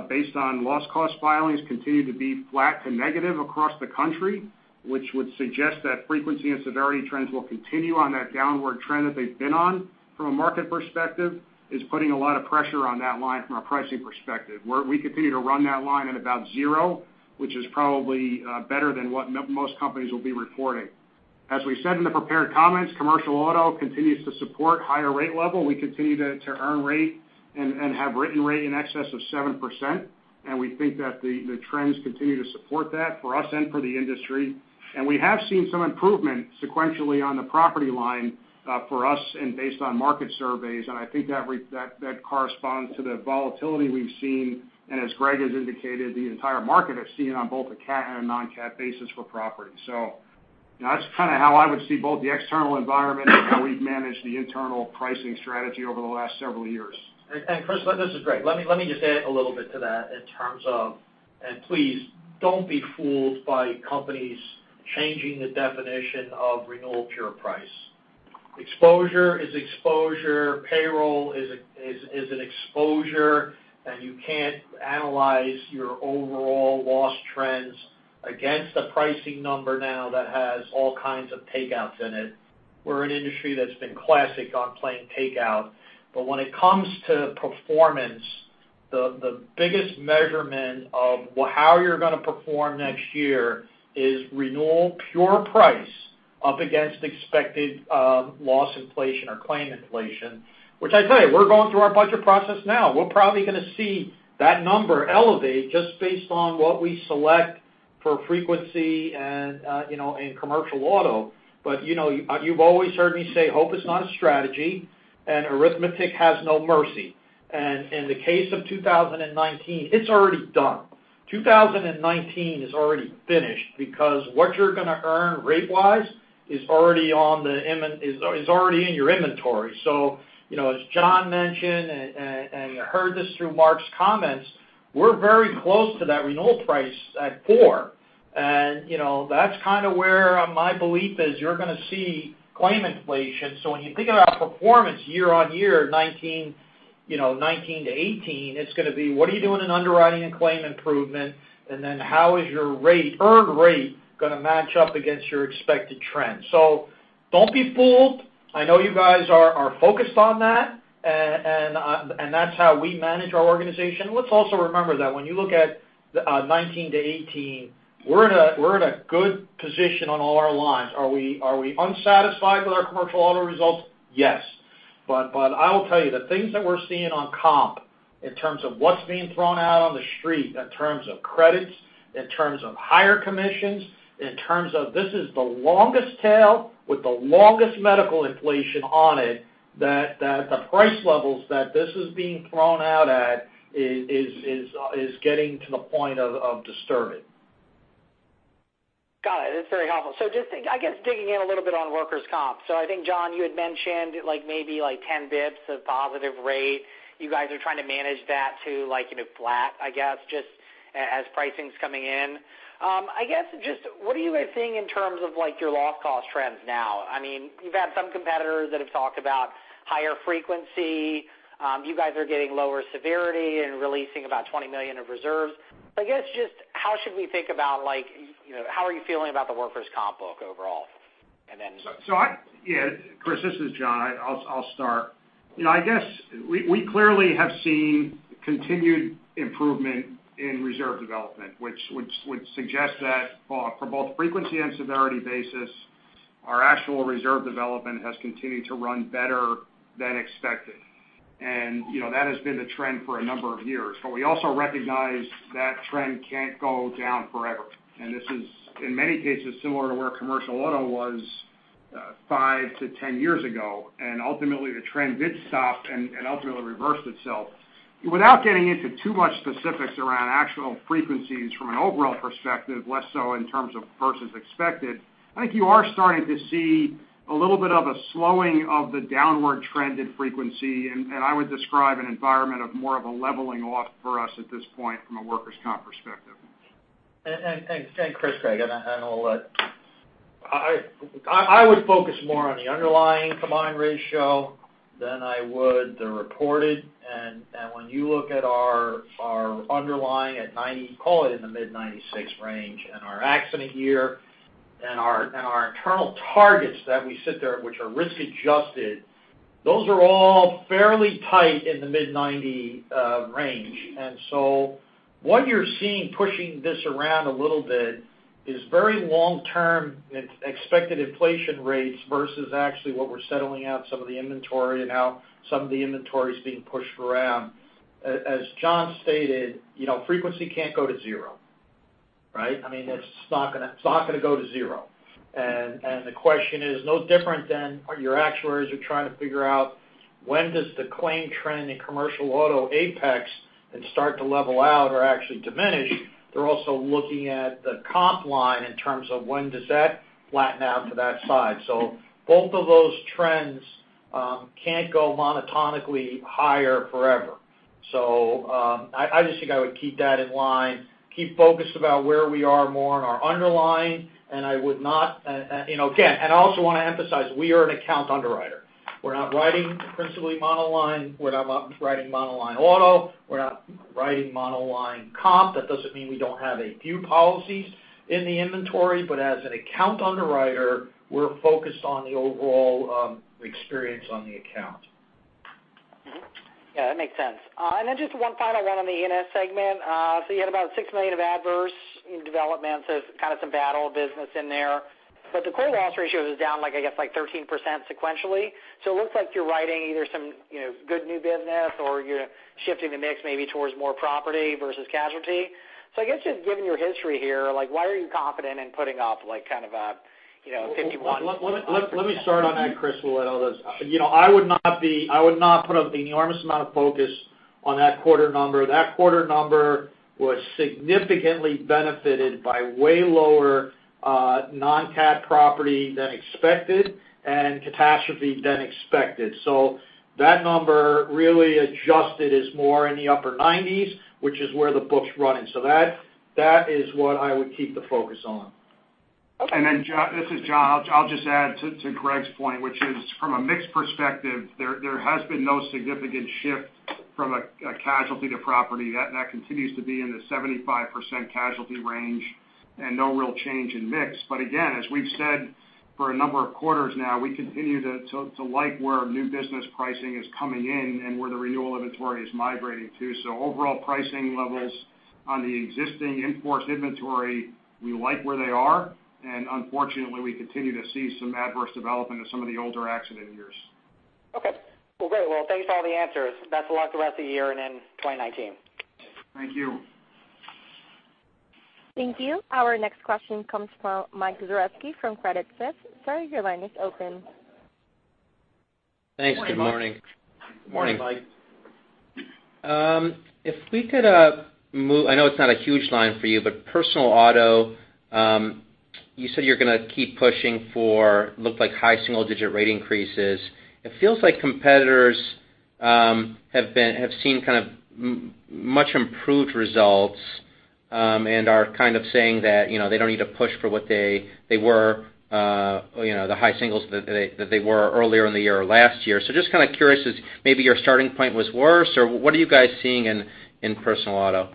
based on loss cost filings continue to be flat to negative across the country, which would suggest that frequency and severity trends will continue on that downward trend that they've been on from a market perspective, is putting a lot of pressure on that line from a pricing perspective. We continue to run that line at about zero, which is probably better than what most companies will be reporting. As we said in the prepared comments, Commercial Auto continues to support higher rate level. We continue to earn rate and have written rate in excess of 7%, and we think that the trends continue to support that for us and for the industry. We have seen some improvement sequentially on the property line for us and based on market surveys. I think that corresponds to the volatility we've seen. As Greg has indicated, the entire market has seen on both a CAT and a non-CAT basis for property. That's kind of how I would see both the external environment and how we've managed the internal pricing strategy over the last several years. Chris, this is Greg. Let me just add a little bit to that in terms of please don't be fooled by companies changing the definition of renewal pure price. Exposure is exposure. Payroll is an exposure, and you can't analyze your overall loss trends against a pricing number now that has all kinds of takeouts in it. We're an industry that's been classic on playing takeout. When it comes to performance, the biggest measurement of how you're going to perform next year is renewal pure price up against expected loss inflation or claim inflation, which I tell you, we're going through our budget process now. We're probably going to see that number elevate just based on what we select for frequency and in Commercial Auto. You've always heard me say, hope is not a strategy. Arithmetic has no mercy. In the case of 2019, it's already done. 2019 is already finished because what you're going to earn rate-wise is already in your inventory. As John mentioned, and you heard this through Mark's comments, we're very close to that renewal price at four. That's kind of where my belief is you're going to see claim inflation. When you think about performance year-over-year 2019 to 2018, it's going to be what are you doing in underwriting and claim improvement, and then how is your earned rate going to match up against your expected trend. Don't be fooled. I know you guys are focused on that, and that's how we manage our organization. Let's also remember that when you look at 2019 to 2018, we're in a good position on all our lines. Are we unsatisfied with our Commercial Auto results? Yes. I will tell you, the things that we're seeing on Comp in terms of what's being thrown out on the street, in terms of credits, in terms of higher commissions, in terms of this is the longest tail with the longest medical inflation on it, that the price levels that this is being thrown out at is getting to the point of disturbing. Got it. That's very helpful. Just, I guess, digging in a little bit on Workers' Comp. I think, John, you had mentioned maybe 10 basis points of positive rate. You guys are trying to manage that to flat, I guess, just as pricing's coming in. I guess, just what are you guys seeing in terms of your loss cost trends now? You've had some competitors that have talked about higher frequency. You guys are getting lower severity and releasing about $20 million of reserves. I guess, just how should we think about how are you feeling about the Workers' Comp book overall? Then- Chris, this is John. I'll start. I guess we clearly have seen continued improvement in reserve development, which suggests that for both frequency and severity basis, our actual reserve development has continued to run better than expected. That has been the trend for a number of years. We also recognize that trend can't go down forever. This is, in many cases, similar to where Commercial Auto was 5 to 10 years ago. Ultimately, the trend did stop and ultimately reversed itself. Without getting into too much specifics around actual frequencies from an overall perspective, less so in terms of versus expected, I think you are starting to see a little bit of a slowing of the downward trend in frequency, and I would describe an environment of more of a leveling off for us at this point from a Workers' Comp perspective. Chris, Greg, I would focus more on the underlying combined ratio than I would the reported. When you look at our underlying at 90, call it in the mid 96 range, and our accident year and our internal targets that we sit there, which are risk adjusted, those are all fairly tight in the mid 90 range. What you're seeing pushing this around a little bit is very long-term expected inflation rates versus actually what we're settling out some of the inventory and how some of the inventory is being pushed around. As John stated, frequency can't go to zero, right? It's not going to go to zero. The question is no different than your actuaries are trying to figure out when does the claim trend in Commercial Auto apex and start to level out or actually diminish. They're also looking at the comp line in terms of when does that flatten out to that side. Both of those trends can't go monotonically higher forever. I just think I would keep that in line, keep focused about where we are more on our underlying, and I would not, again, and I also want to emphasize, we are an account underwriter. We're not writing principally monoline. We're not writing monoline auto. We're not writing monoline comp. That doesn't mean we don't have a few policies in the inventory, but as an account underwriter, we're focused on the overall experience on the account. Yeah, that makes sense. Then just one final one on the E&S segment. You had about $6 million of adverse in developments, so kind of some bad old business in there. The core loss ratio is down, I guess, 13% sequentially. It looks like you're writing either some good new business or you're shifting the mix maybe towards more property versus casualty. I guess just given your history here, why are you confident in putting up kind of a 51- Let me start on that, Chris, while Ed does. I would not put an enormous amount of focus on that quarter number. That quarter number was significantly benefited by way lower ex-CAT property than expected and catastrophe than expected. That number really adjusted is more in the upper 90s, which is where the book's running. That is what I would keep the focus on. Okay. This is John. I'll just add to Greg's point, which is from a mix perspective, there has been no significant shift from a casualty to property. That continues to be in the 75% casualty range and no real change in mix. Again, as we've said for a number of quarters now, we continue to like where our new business pricing is coming in and where the renewal inventory is migrating to. Overall pricing levels on the existing in-force inventory, we like where they are, and unfortunately, we continue to see some adverse development in some of the older accident years. Well, great. Well, thanks for all the answers. Best of luck the rest of the year and in 2019. Thank you. Thank you. Our next question comes from Michael Zaremski from Credit Suisse. Sir, your line is open. Thanks. Good morning. Good morning, Mike. If we could move, I know it's not a huge line for you, but Personal Auto, you said you're going to keep pushing for, looked like high single-digit rate increases. It feels like competitors have seen much improved results and are saying that they don't need to push for what they were, the high singles that they were earlier in the year or last year. Just curious as maybe your starting point was worse, or what are you guys seeing in Personal Auto?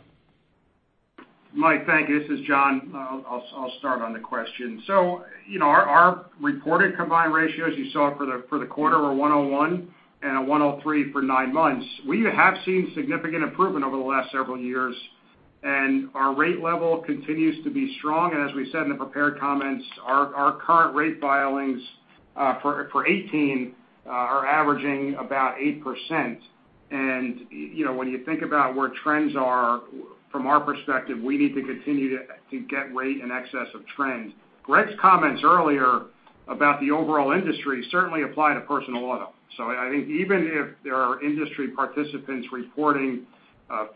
Mike, thank you. This is John. I'll start on the question. Our reported combined ratios you saw for the quarter were 101 and 103 for nine months. We have seen significant improvement over the last several years, our rate level continues to be strong. As we said in the prepared comments, our current rate filings for 2018 are averaging about 8%. When you think about where trends are from our perspective, we need to continue to get rate in excess of trends. Greg's comments earlier about the overall industry certainly apply to Personal Auto. I think even if there are industry participants reporting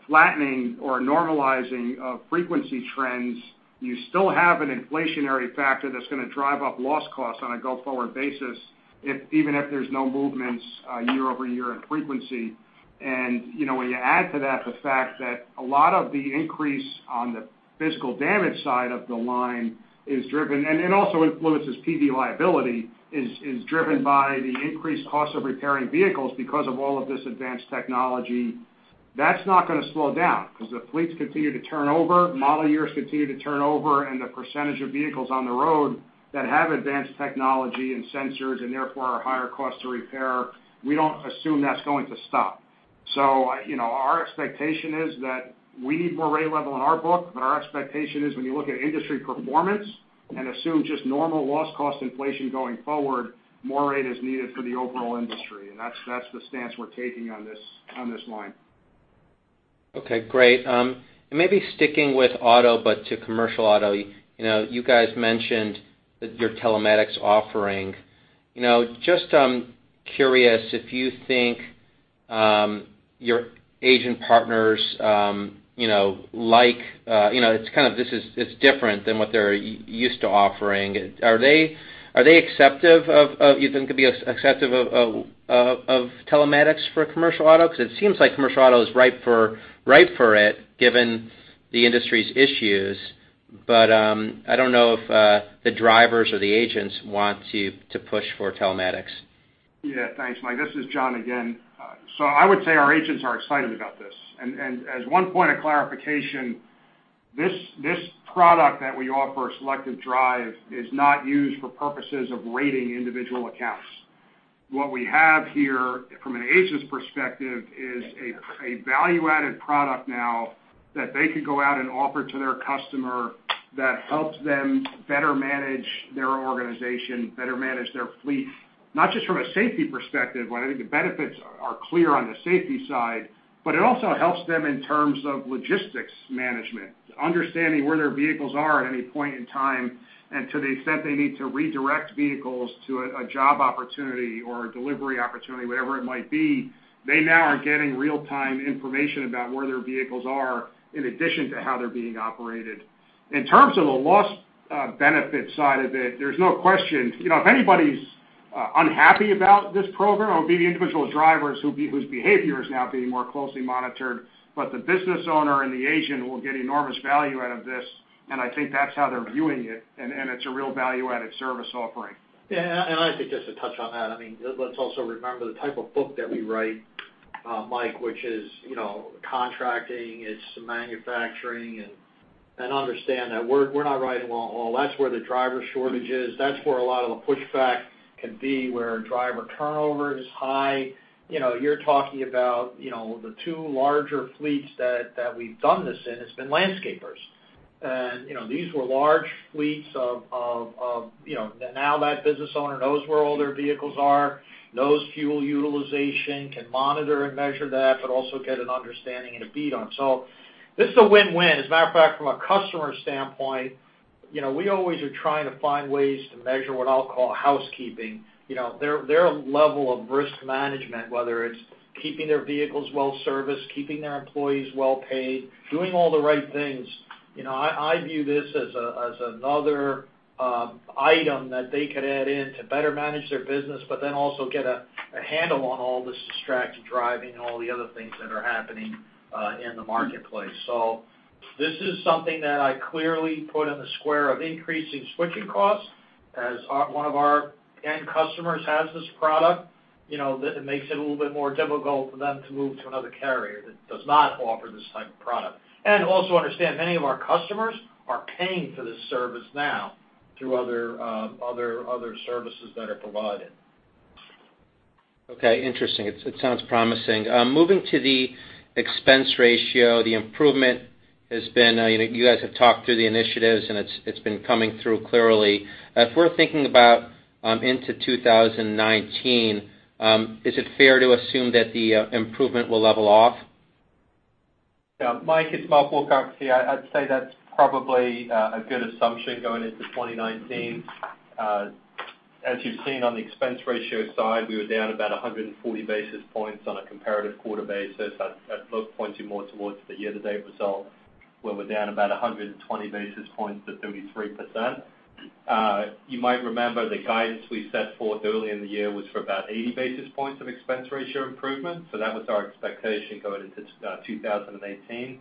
flattening or normalizing of frequency trends, you still have an inflationary factor that's going to drive up loss costs on a go-forward basis, even if there's no movements year-over-year in frequency. When you add to that the fact that a lot of the increase on the physical damage side of the line is driven, and it also influences PD liability, is driven by the increased cost of repairing vehicles because of all of this advanced technology. That's not going to slow down because the fleets continue to turn over, model years continue to turn over, and the percentage of vehicles on the road that have advanced technology and sensors, and therefore are higher cost to repair, we don't assume that's going to stop. Our expectation is that we need more rate level in our book, but our expectation is when you look at industry performance and assume just normal loss cost inflation going forward, more rate is needed for the overall industry. That's the stance we're taking on this line. Okay, great. Maybe sticking with auto, but to Commercial Auto. You guys mentioned your telematics offering. Just curious if you think your agent partners, it's different than what they're used to offering. Are they receptive of telematics for Commercial Auto? Because it seems like Commercial Auto is ripe for it given the industry's issues, but I don't know if the drivers or the agents want to push for telematics. Yeah. Thanks, Mike. This is John again. I would say our agents are excited about this. As one point of clarification, this product that we offer, Selective Drive, is not used for purposes of rating individual accounts. What we have here from an agent's perspective is a value-added product now that they could go out and offer to their customer that helps them better manage their organization, better manage their fleet, not just from a safety perspective. I think the benefits are clear on the safety side, but it also helps them in terms of logistics management, understanding where their vehicles are at any point in time. To the extent they need to redirect vehicles to a job opportunity or a delivery opportunity, whatever it might be, they now are getting real-time information about where their vehicles are in addition to how they're being operated. In terms of the loss benefit side of it, there's no question. If anybody's unhappy about this program, it'll be the individual drivers whose behavior is now being more closely monitored. The business owner and the agent will get enormous value out of this, and I think that's how they're viewing it, and it's a real value-added service offering. Yeah, I think just to touch on that, let's also remember the type of book that we write Mike, which is contracting, it's manufacturing, understand that we're not riding long-haul. That's where the driver shortage is. That's where a lot of the pushback can be, where driver turnover is high. You're talking about the two larger fleets that we've done this in, it's been landscapers. These were large fleets. Now that business owner knows where all their vehicles are, knows fuel utilization, can monitor and measure that, but also get an understanding and a beat on. This is a win-win. As a matter of fact, from a customer standpoint, we always are trying to find ways to measure what I'll call housekeeping. Their level of risk management, whether it's keeping their vehicles well-serviced, keeping their employees well-paid, doing all the right things. I view this as another item that they could add in to better manage their business, also get a handle on all this distracted driving and all the other things that are happening in the marketplace. This is something that I clearly put in the square of increasing switching costs, as one of our end customers has this product. It makes it a little bit more difficult for them to move to another carrier that does not offer this type of product. Also understand, many of our customers are paying for this service now through other services that are provided. Okay, interesting. It sounds promising. Moving to the expense ratio, the improvement, you guys have talked through the initiatives, it's been coming through clearly. If we're thinking about into 2019, is it fair to assume that the improvement will level off? Yeah, Mike, it's Mark Wilcox here. I'd say that's probably a good assumption going into 2019. As you've seen on the expense ratio side, we were down about 140 basis points on a comparative quarter basis. That's both pointing more towards the year-to-date result, where we're down about 120 basis points to 33%. You might remember the guidance we set forth early in the year was for about 80 basis points of expense ratio improvement, that was our expectation going into 2018.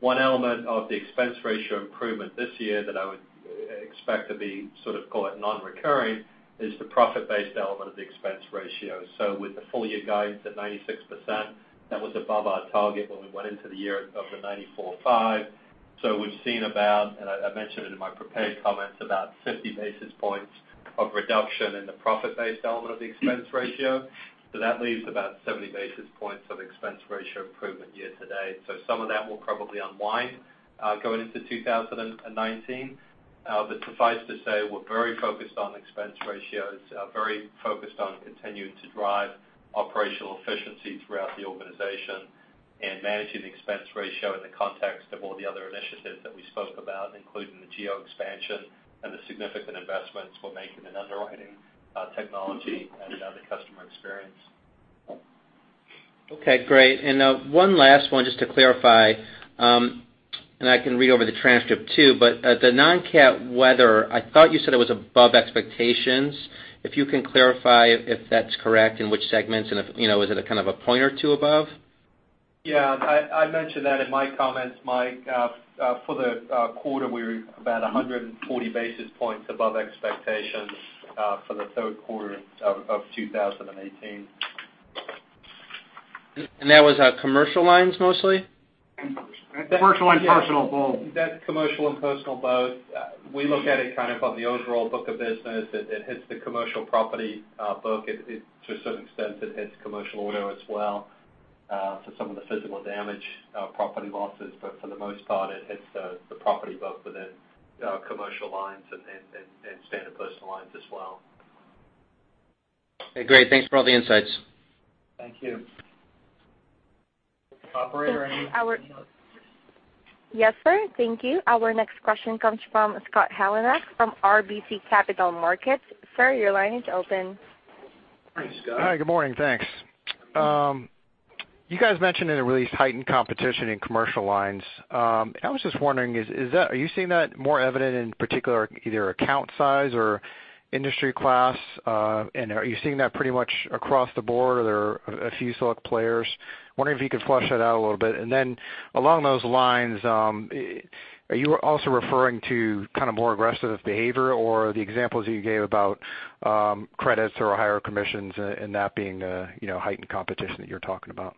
One element of the expense ratio improvement this year that I would expect to be sort of, call it non-recurring, is the profit-based element of the expense ratio. With the full year guidance at 96%, that was above our target when we went into the year of the 94.5%. We've seen about, and I mentioned it in my prepared comments, about 50 basis points of reduction in the profit-based element of the expense ratio. That leaves about 70 basis points of expense ratio improvement year-to-date. Some of that will probably unwind going into 2019. Suffice to say, we're very focused on expense ratios, very focused on continuing to drive operational efficiency throughout the organization, and managing the expense ratio in the context of all the other initiatives that we spoke about, including the geo expansion and the significant investments we're making in underwriting technology and the customer experience. Okay, great. One last one just to clarify, and I can read over the transcript too, the non-cat weather, I thought you said it was above expectations. If you can clarify if that's correct, in which segments, and is it a kind of a point or two above? Yeah, I mentioned that in my comments, Mike. For the quarter, we were about 140 basis points above expectations for the third quarter of 2018. That was commercial lines mostly? Commercial and Personal Lines both. That's commercial and Personal Lines both. We look at it kind of on the overall book of business. It hits the Commercial Property book. To a certain extent, it hits Commercial Auto as well. Some of the physical damage property losses, for the most part, it hits the property book within commercial lines and standard Personal Lines as well. Okay, great. Thanks for all the insights. Thank you. Operator, are you- Yes, sir. Thank you. Our next question comes from Scott Heleniak from RBC Capital Markets. Sir, your line is open. Hi, Scott. Hi, good morning. Thanks. You guys mentioned in the release heightened competition in Commercial Lines. I was just wondering, are you seeing that more evident in particular either account size or industry class? Are you seeing that pretty much across the board, or there are a few select players? Wondering if you could flush that out a little bit? Then along those lines, are you also referring to more aggressive behavior or the examples you gave about credits or higher commissions and that being heightened competition that you're talking about?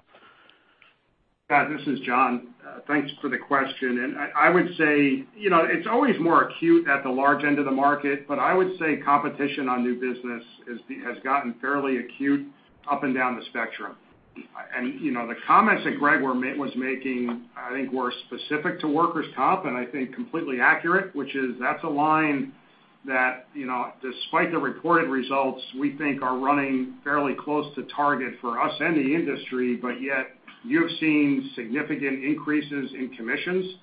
Scott, this is John. Thanks for the question. I would say it's always more acute at the large end of the market, but I would say competition on new business has gotten fairly acute up and down the spectrum. The comments that Greg was making, I think, were specific to workers' comp and I think completely accurate, which is that's a line that despite the reported results, we think are running fairly close to target for us and the industry, but yet you've seen significant increases in commissions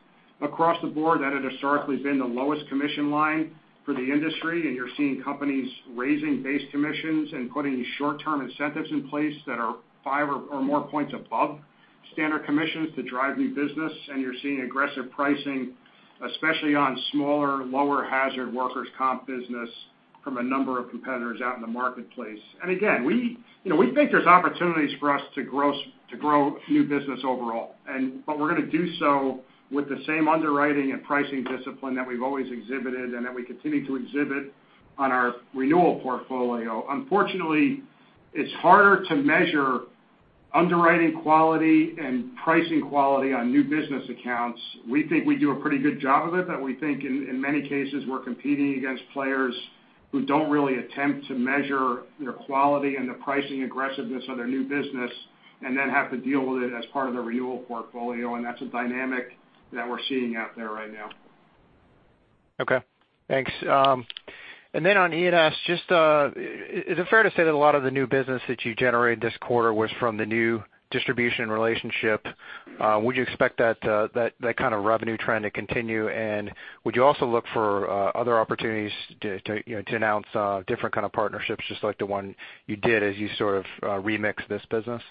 across the board. That had historically been the lowest commission line for the industry, and you're seeing companies raising base commissions and putting short-term incentives in place that are five or more points above standard commissions to drive new business. You're seeing aggressive pricing, especially on smaller, lower hazard workers' comp business from a number of competitors out in the marketplace. Again, we think there's opportunities for us to grow new business overall. We're going to do so with the same underwriting and pricing discipline that we've always exhibited and that we continue to exhibit on our renewal portfolio. Unfortunately, it's harder to measure underwriting quality and pricing quality on new business accounts. We think we do a pretty good job of it, but we think in many cases, we're competing against players who don't really attempt to measure their quality and the pricing aggressiveness of their new business, and then have to deal with it as part of the renewal portfolio, and that's a dynamic that we're seeing out there right now. Okay, thanks. Then on E&S, just is it fair to say that a lot of the new business that you generated this quarter was from the new distribution relationship? Would you expect that kind of revenue trend to continue, and would you also look for other opportunities to announce different kind of partnerships, just like the one you did as you sort of remixed this business?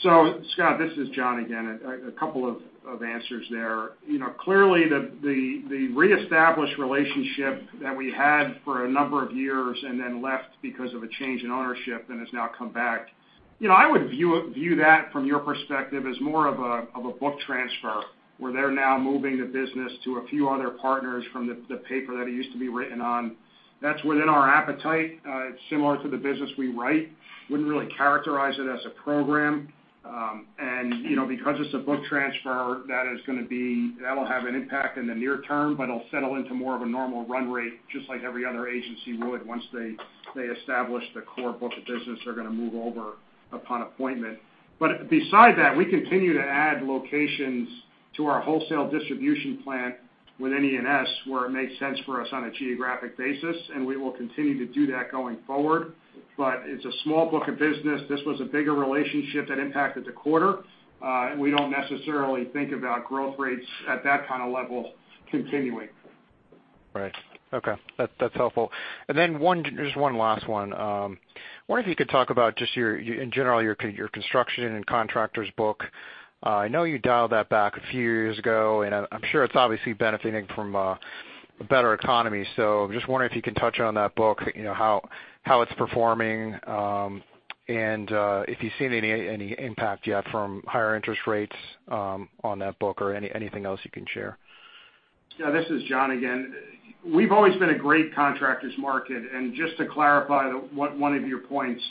Scott, this is John again, a couple of answers there. Clearly, the reestablished relationship that we had for a number of years and then left because of a change in ownership and has now come back. I would view that from your perspective as more of a book transfer, where they're now moving the business to a few other partners from the paper that it used to be written on. That's within our appetite. It's similar to the business we write. Wouldn't really characterize it as a program. Because it's a book transfer, that will have an impact in the near term, but it'll settle into more of a normal run rate, just like every other agency would once they establish the core book of business they're going to move over upon appointment. Beside that, we continue to add locations to our wholesale distribution plan within E&S, where it makes sense for us on a geographic basis. We will continue to do that going forward. It's a small book of business. This was a bigger relationship that impacted the quarter. We don't necessarily think about growth rates at that kind of level continuing. Right. Okay. That's helpful. Just one last one. Wonder if you could talk about just your, in general, your construction and contractors book. I know you dialed that back a few years ago. I'm sure it's obviously benefiting from a better economy. Just wondering if you can touch on that book, how it's performing, if you've seen any impact yet from higher interest rates on that book or anything else you can share. Yeah, this is John again. We've always been a great contractors market. Just to clarify one of your points,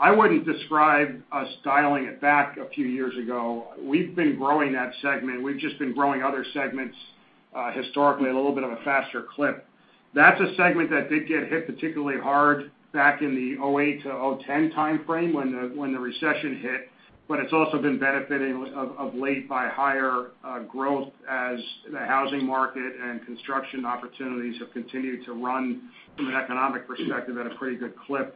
I wouldn't describe us dialing it back a few years ago. We've been growing that segment. We've just been growing other segments, historically, a little bit of a faster clip. That's a segment that did get hit particularly hard back in the '08-'10 timeframe when the recession hit. It's also been benefiting of late by higher growth as the housing market and construction opportunities have continued to run from an economic perspective at a pretty good clip.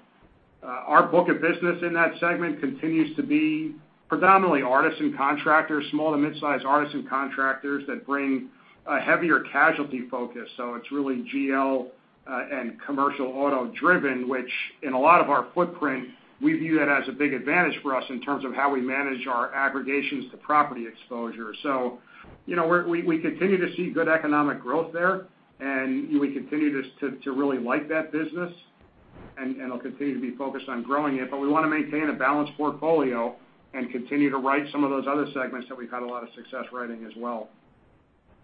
Our book of business in that segment continues to be predominantly artisan contractors, small to mid-size artisan contractors that bring a heavier casualty focus. It's really GL and Commercial Auto driven, which in a lot of our footprint, we view that as a big advantage for us in terms of how we manage our aggregations to property exposure. We continue to see good economic growth there, and we continue to really like that business. It'll continue to be focused on growing it, but we want to maintain a balanced portfolio and continue to write some of those other segments that we've had a lot of success writing as well.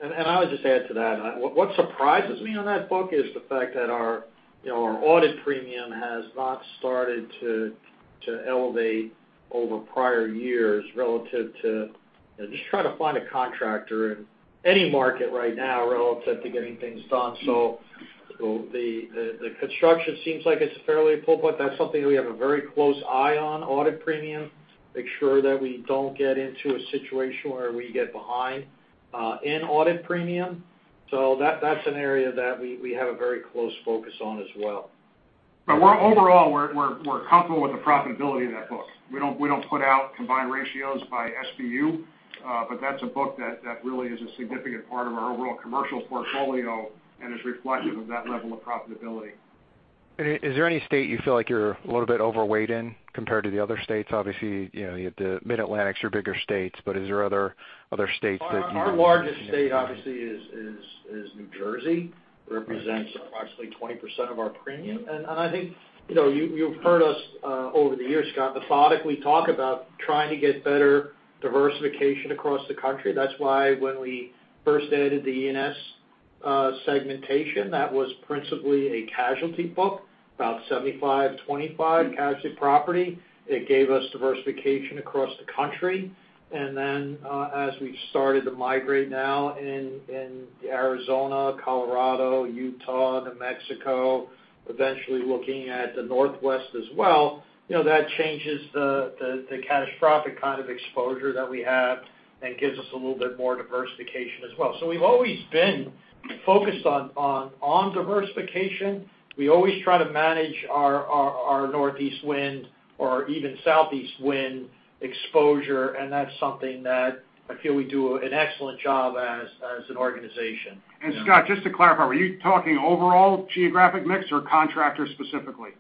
I would just add to that. What surprises me on that book is the fact that our audit premium has not started to elevate over prior years relative to just trying to find a contractor in any market right now relative to getting things done. The construction seems like it's fairly full, but that's something we have a very close eye on, audit premium, make sure that we don't get into a situation where we get behind in audit premium. That's an area that we have a very close focus on as well. Overall, we're comfortable with the profitability of that book. We don't put out combined ratios by SBU, but that's a book that really is a significant part of our overall commercial portfolio and is reflective of that level of profitability. Is there any state you feel like you're a little bit overweight in compared to the other states? Obviously, you have the Mid-Atlantic, your bigger states, is there other states that you- Our largest state obviously is New Jersey. Represents approximately 20% of our premium. I think you've heard us over the years, Scott, methodically talk about trying to get better diversification across the country. That's why when we first added the E&S segmentation, that was principally a casualty book, about 75/25 casualty property. It gave us diversification across the country. Then, as we've started to migrate now in Arizona, Colorado, Utah, New Mexico, eventually looking at the Northwest as well, that changes the catastrophic kind of exposure that we have and gives us a little bit more diversification as well. We've always been focused on diversification. We always try to manage our Northeast wind or even Southeast wind exposure, and that's something that I feel we do an excellent job as an organization. Scott, just to clarify, were you talking overall geographic mix or contractors specifically?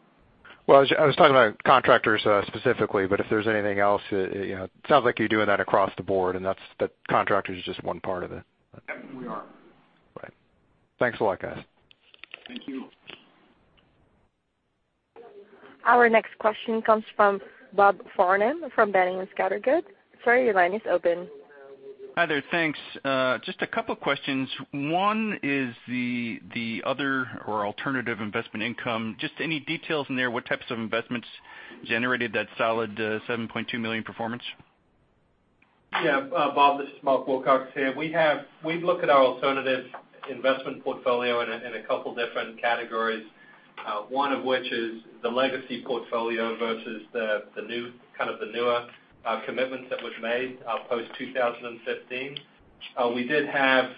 Well, I was talking about contractors specifically, but if there's anything else. It sounds like you're doing that across the board, and that contractors is just one part of it. Yeah, we are. Right. Thanks a lot, guys. Thank you. Our next question comes from Bob Farnam from Boenning & Scattergood. Sir, your line is open. Hi there. Thanks. Just a couple questions. One is the other or alternative investment income. Just any details in there, what types of investments generated that solid $7.2 million performance? Bob, this is Mark Wilcox here. We look at our alternative investment portfolio in a couple different categories. One of which is the legacy portfolio versus the newer commitments that was made post 2015. We did have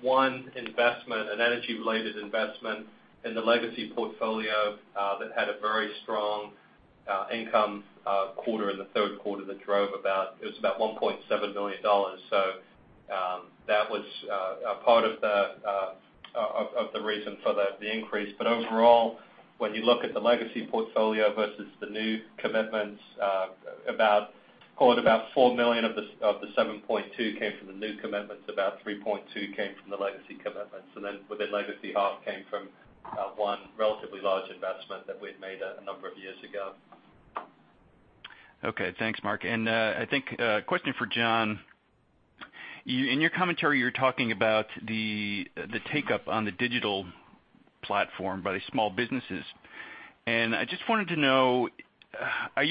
one investment, an energy related investment in the legacy portfolio, that had a very strong income quarter in the third quarter that drove about, it was about $1.7 million. That was a part of the reason for the increase. Overall, when you look at the legacy portfolio versus the new commitments, about $4 million of the $7.2 million came from the new commitments. About $3.2 million came from the legacy commitments. Then within legacy, half came from one relatively large investment that we had made a number of years ago. Okay, thanks Mark. I think a question for John. In your commentary, you're talking about the take-up on the digital platform by the small businesses. I just wanted to know, are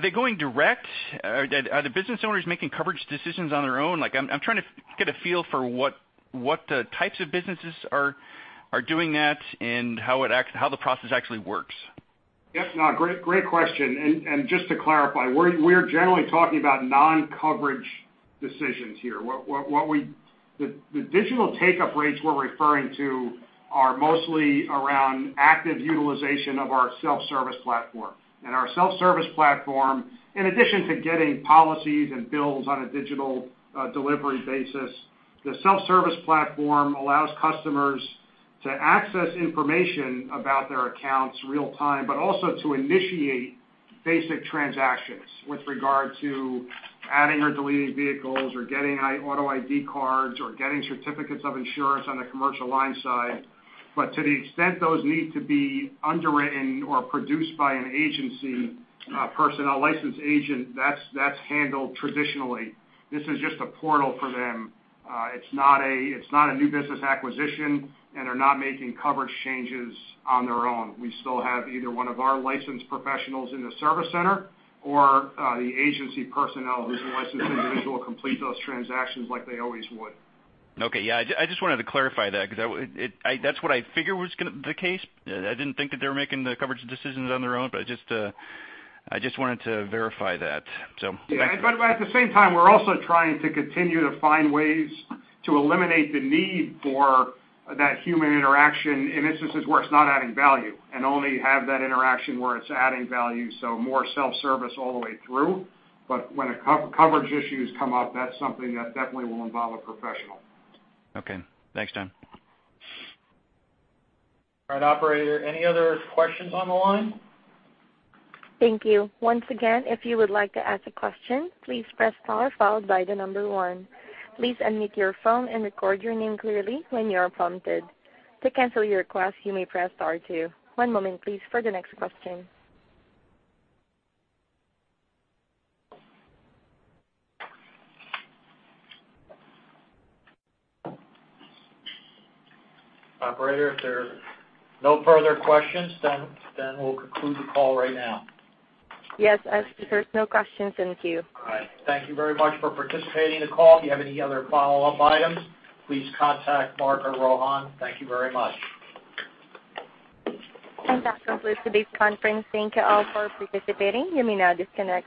they going direct? Are the business owners making coverage decisions on their own? I'm trying to get a feel for what types of businesses are doing that and how the process actually works. Yes, no, great question. Just to clarify, we're generally talking about non-coverage decisions here. The digital take-up rates we're referring to are mostly around active utilization of our self-service platform. Our self-service platform, in addition to getting policies and bills on a digital delivery basis, the self-service platform allows customers to access information about their accounts real time, but also to initiate basic transactions with regard to adding or deleting vehicles or getting auto ID cards or getting certificates of insurance on the commercial line side. To the extent those need to be underwritten or produced by an agency personnel licensed agent, that's handled traditionally. This is just a portal for them. It's not a new business acquisition, and they're not making coverage changes on their own. We still have either one of our licensed professionals in the service center or the agency personnel who's a licensed individual complete those transactions like they always would. Okay. Yeah, I just wanted to clarify that because that's what I figured was the case. I didn't think that they were making the coverage decisions on their own, but I just wanted to verify that. Thank you. Yeah. At the same time, we're also trying to continue to find ways to eliminate the need for that human interaction in instances where it's not adding value, and only have that interaction where it's adding value, so more self-service all the way through. When coverage issues come up, that's something that definitely will involve a professional. Okay, thanks John. All right, operator, any other questions on the line? Thank you. Once again, if you would like to ask a question, please press star followed by the number one. Please unmute your phone and record your name clearly when you are prompted. To cancel your request, you may press star two. One moment please for the next question. Operator, if there's no further questions, then we'll conclude the call right now. Yes, there's no questions in queue. All right. Thank you very much for participating in the call. If you have any other follow-up items, please contact Mark or Rohan. Thank you very much. That concludes today's conference. Thank you all for participating. You may now disconnect.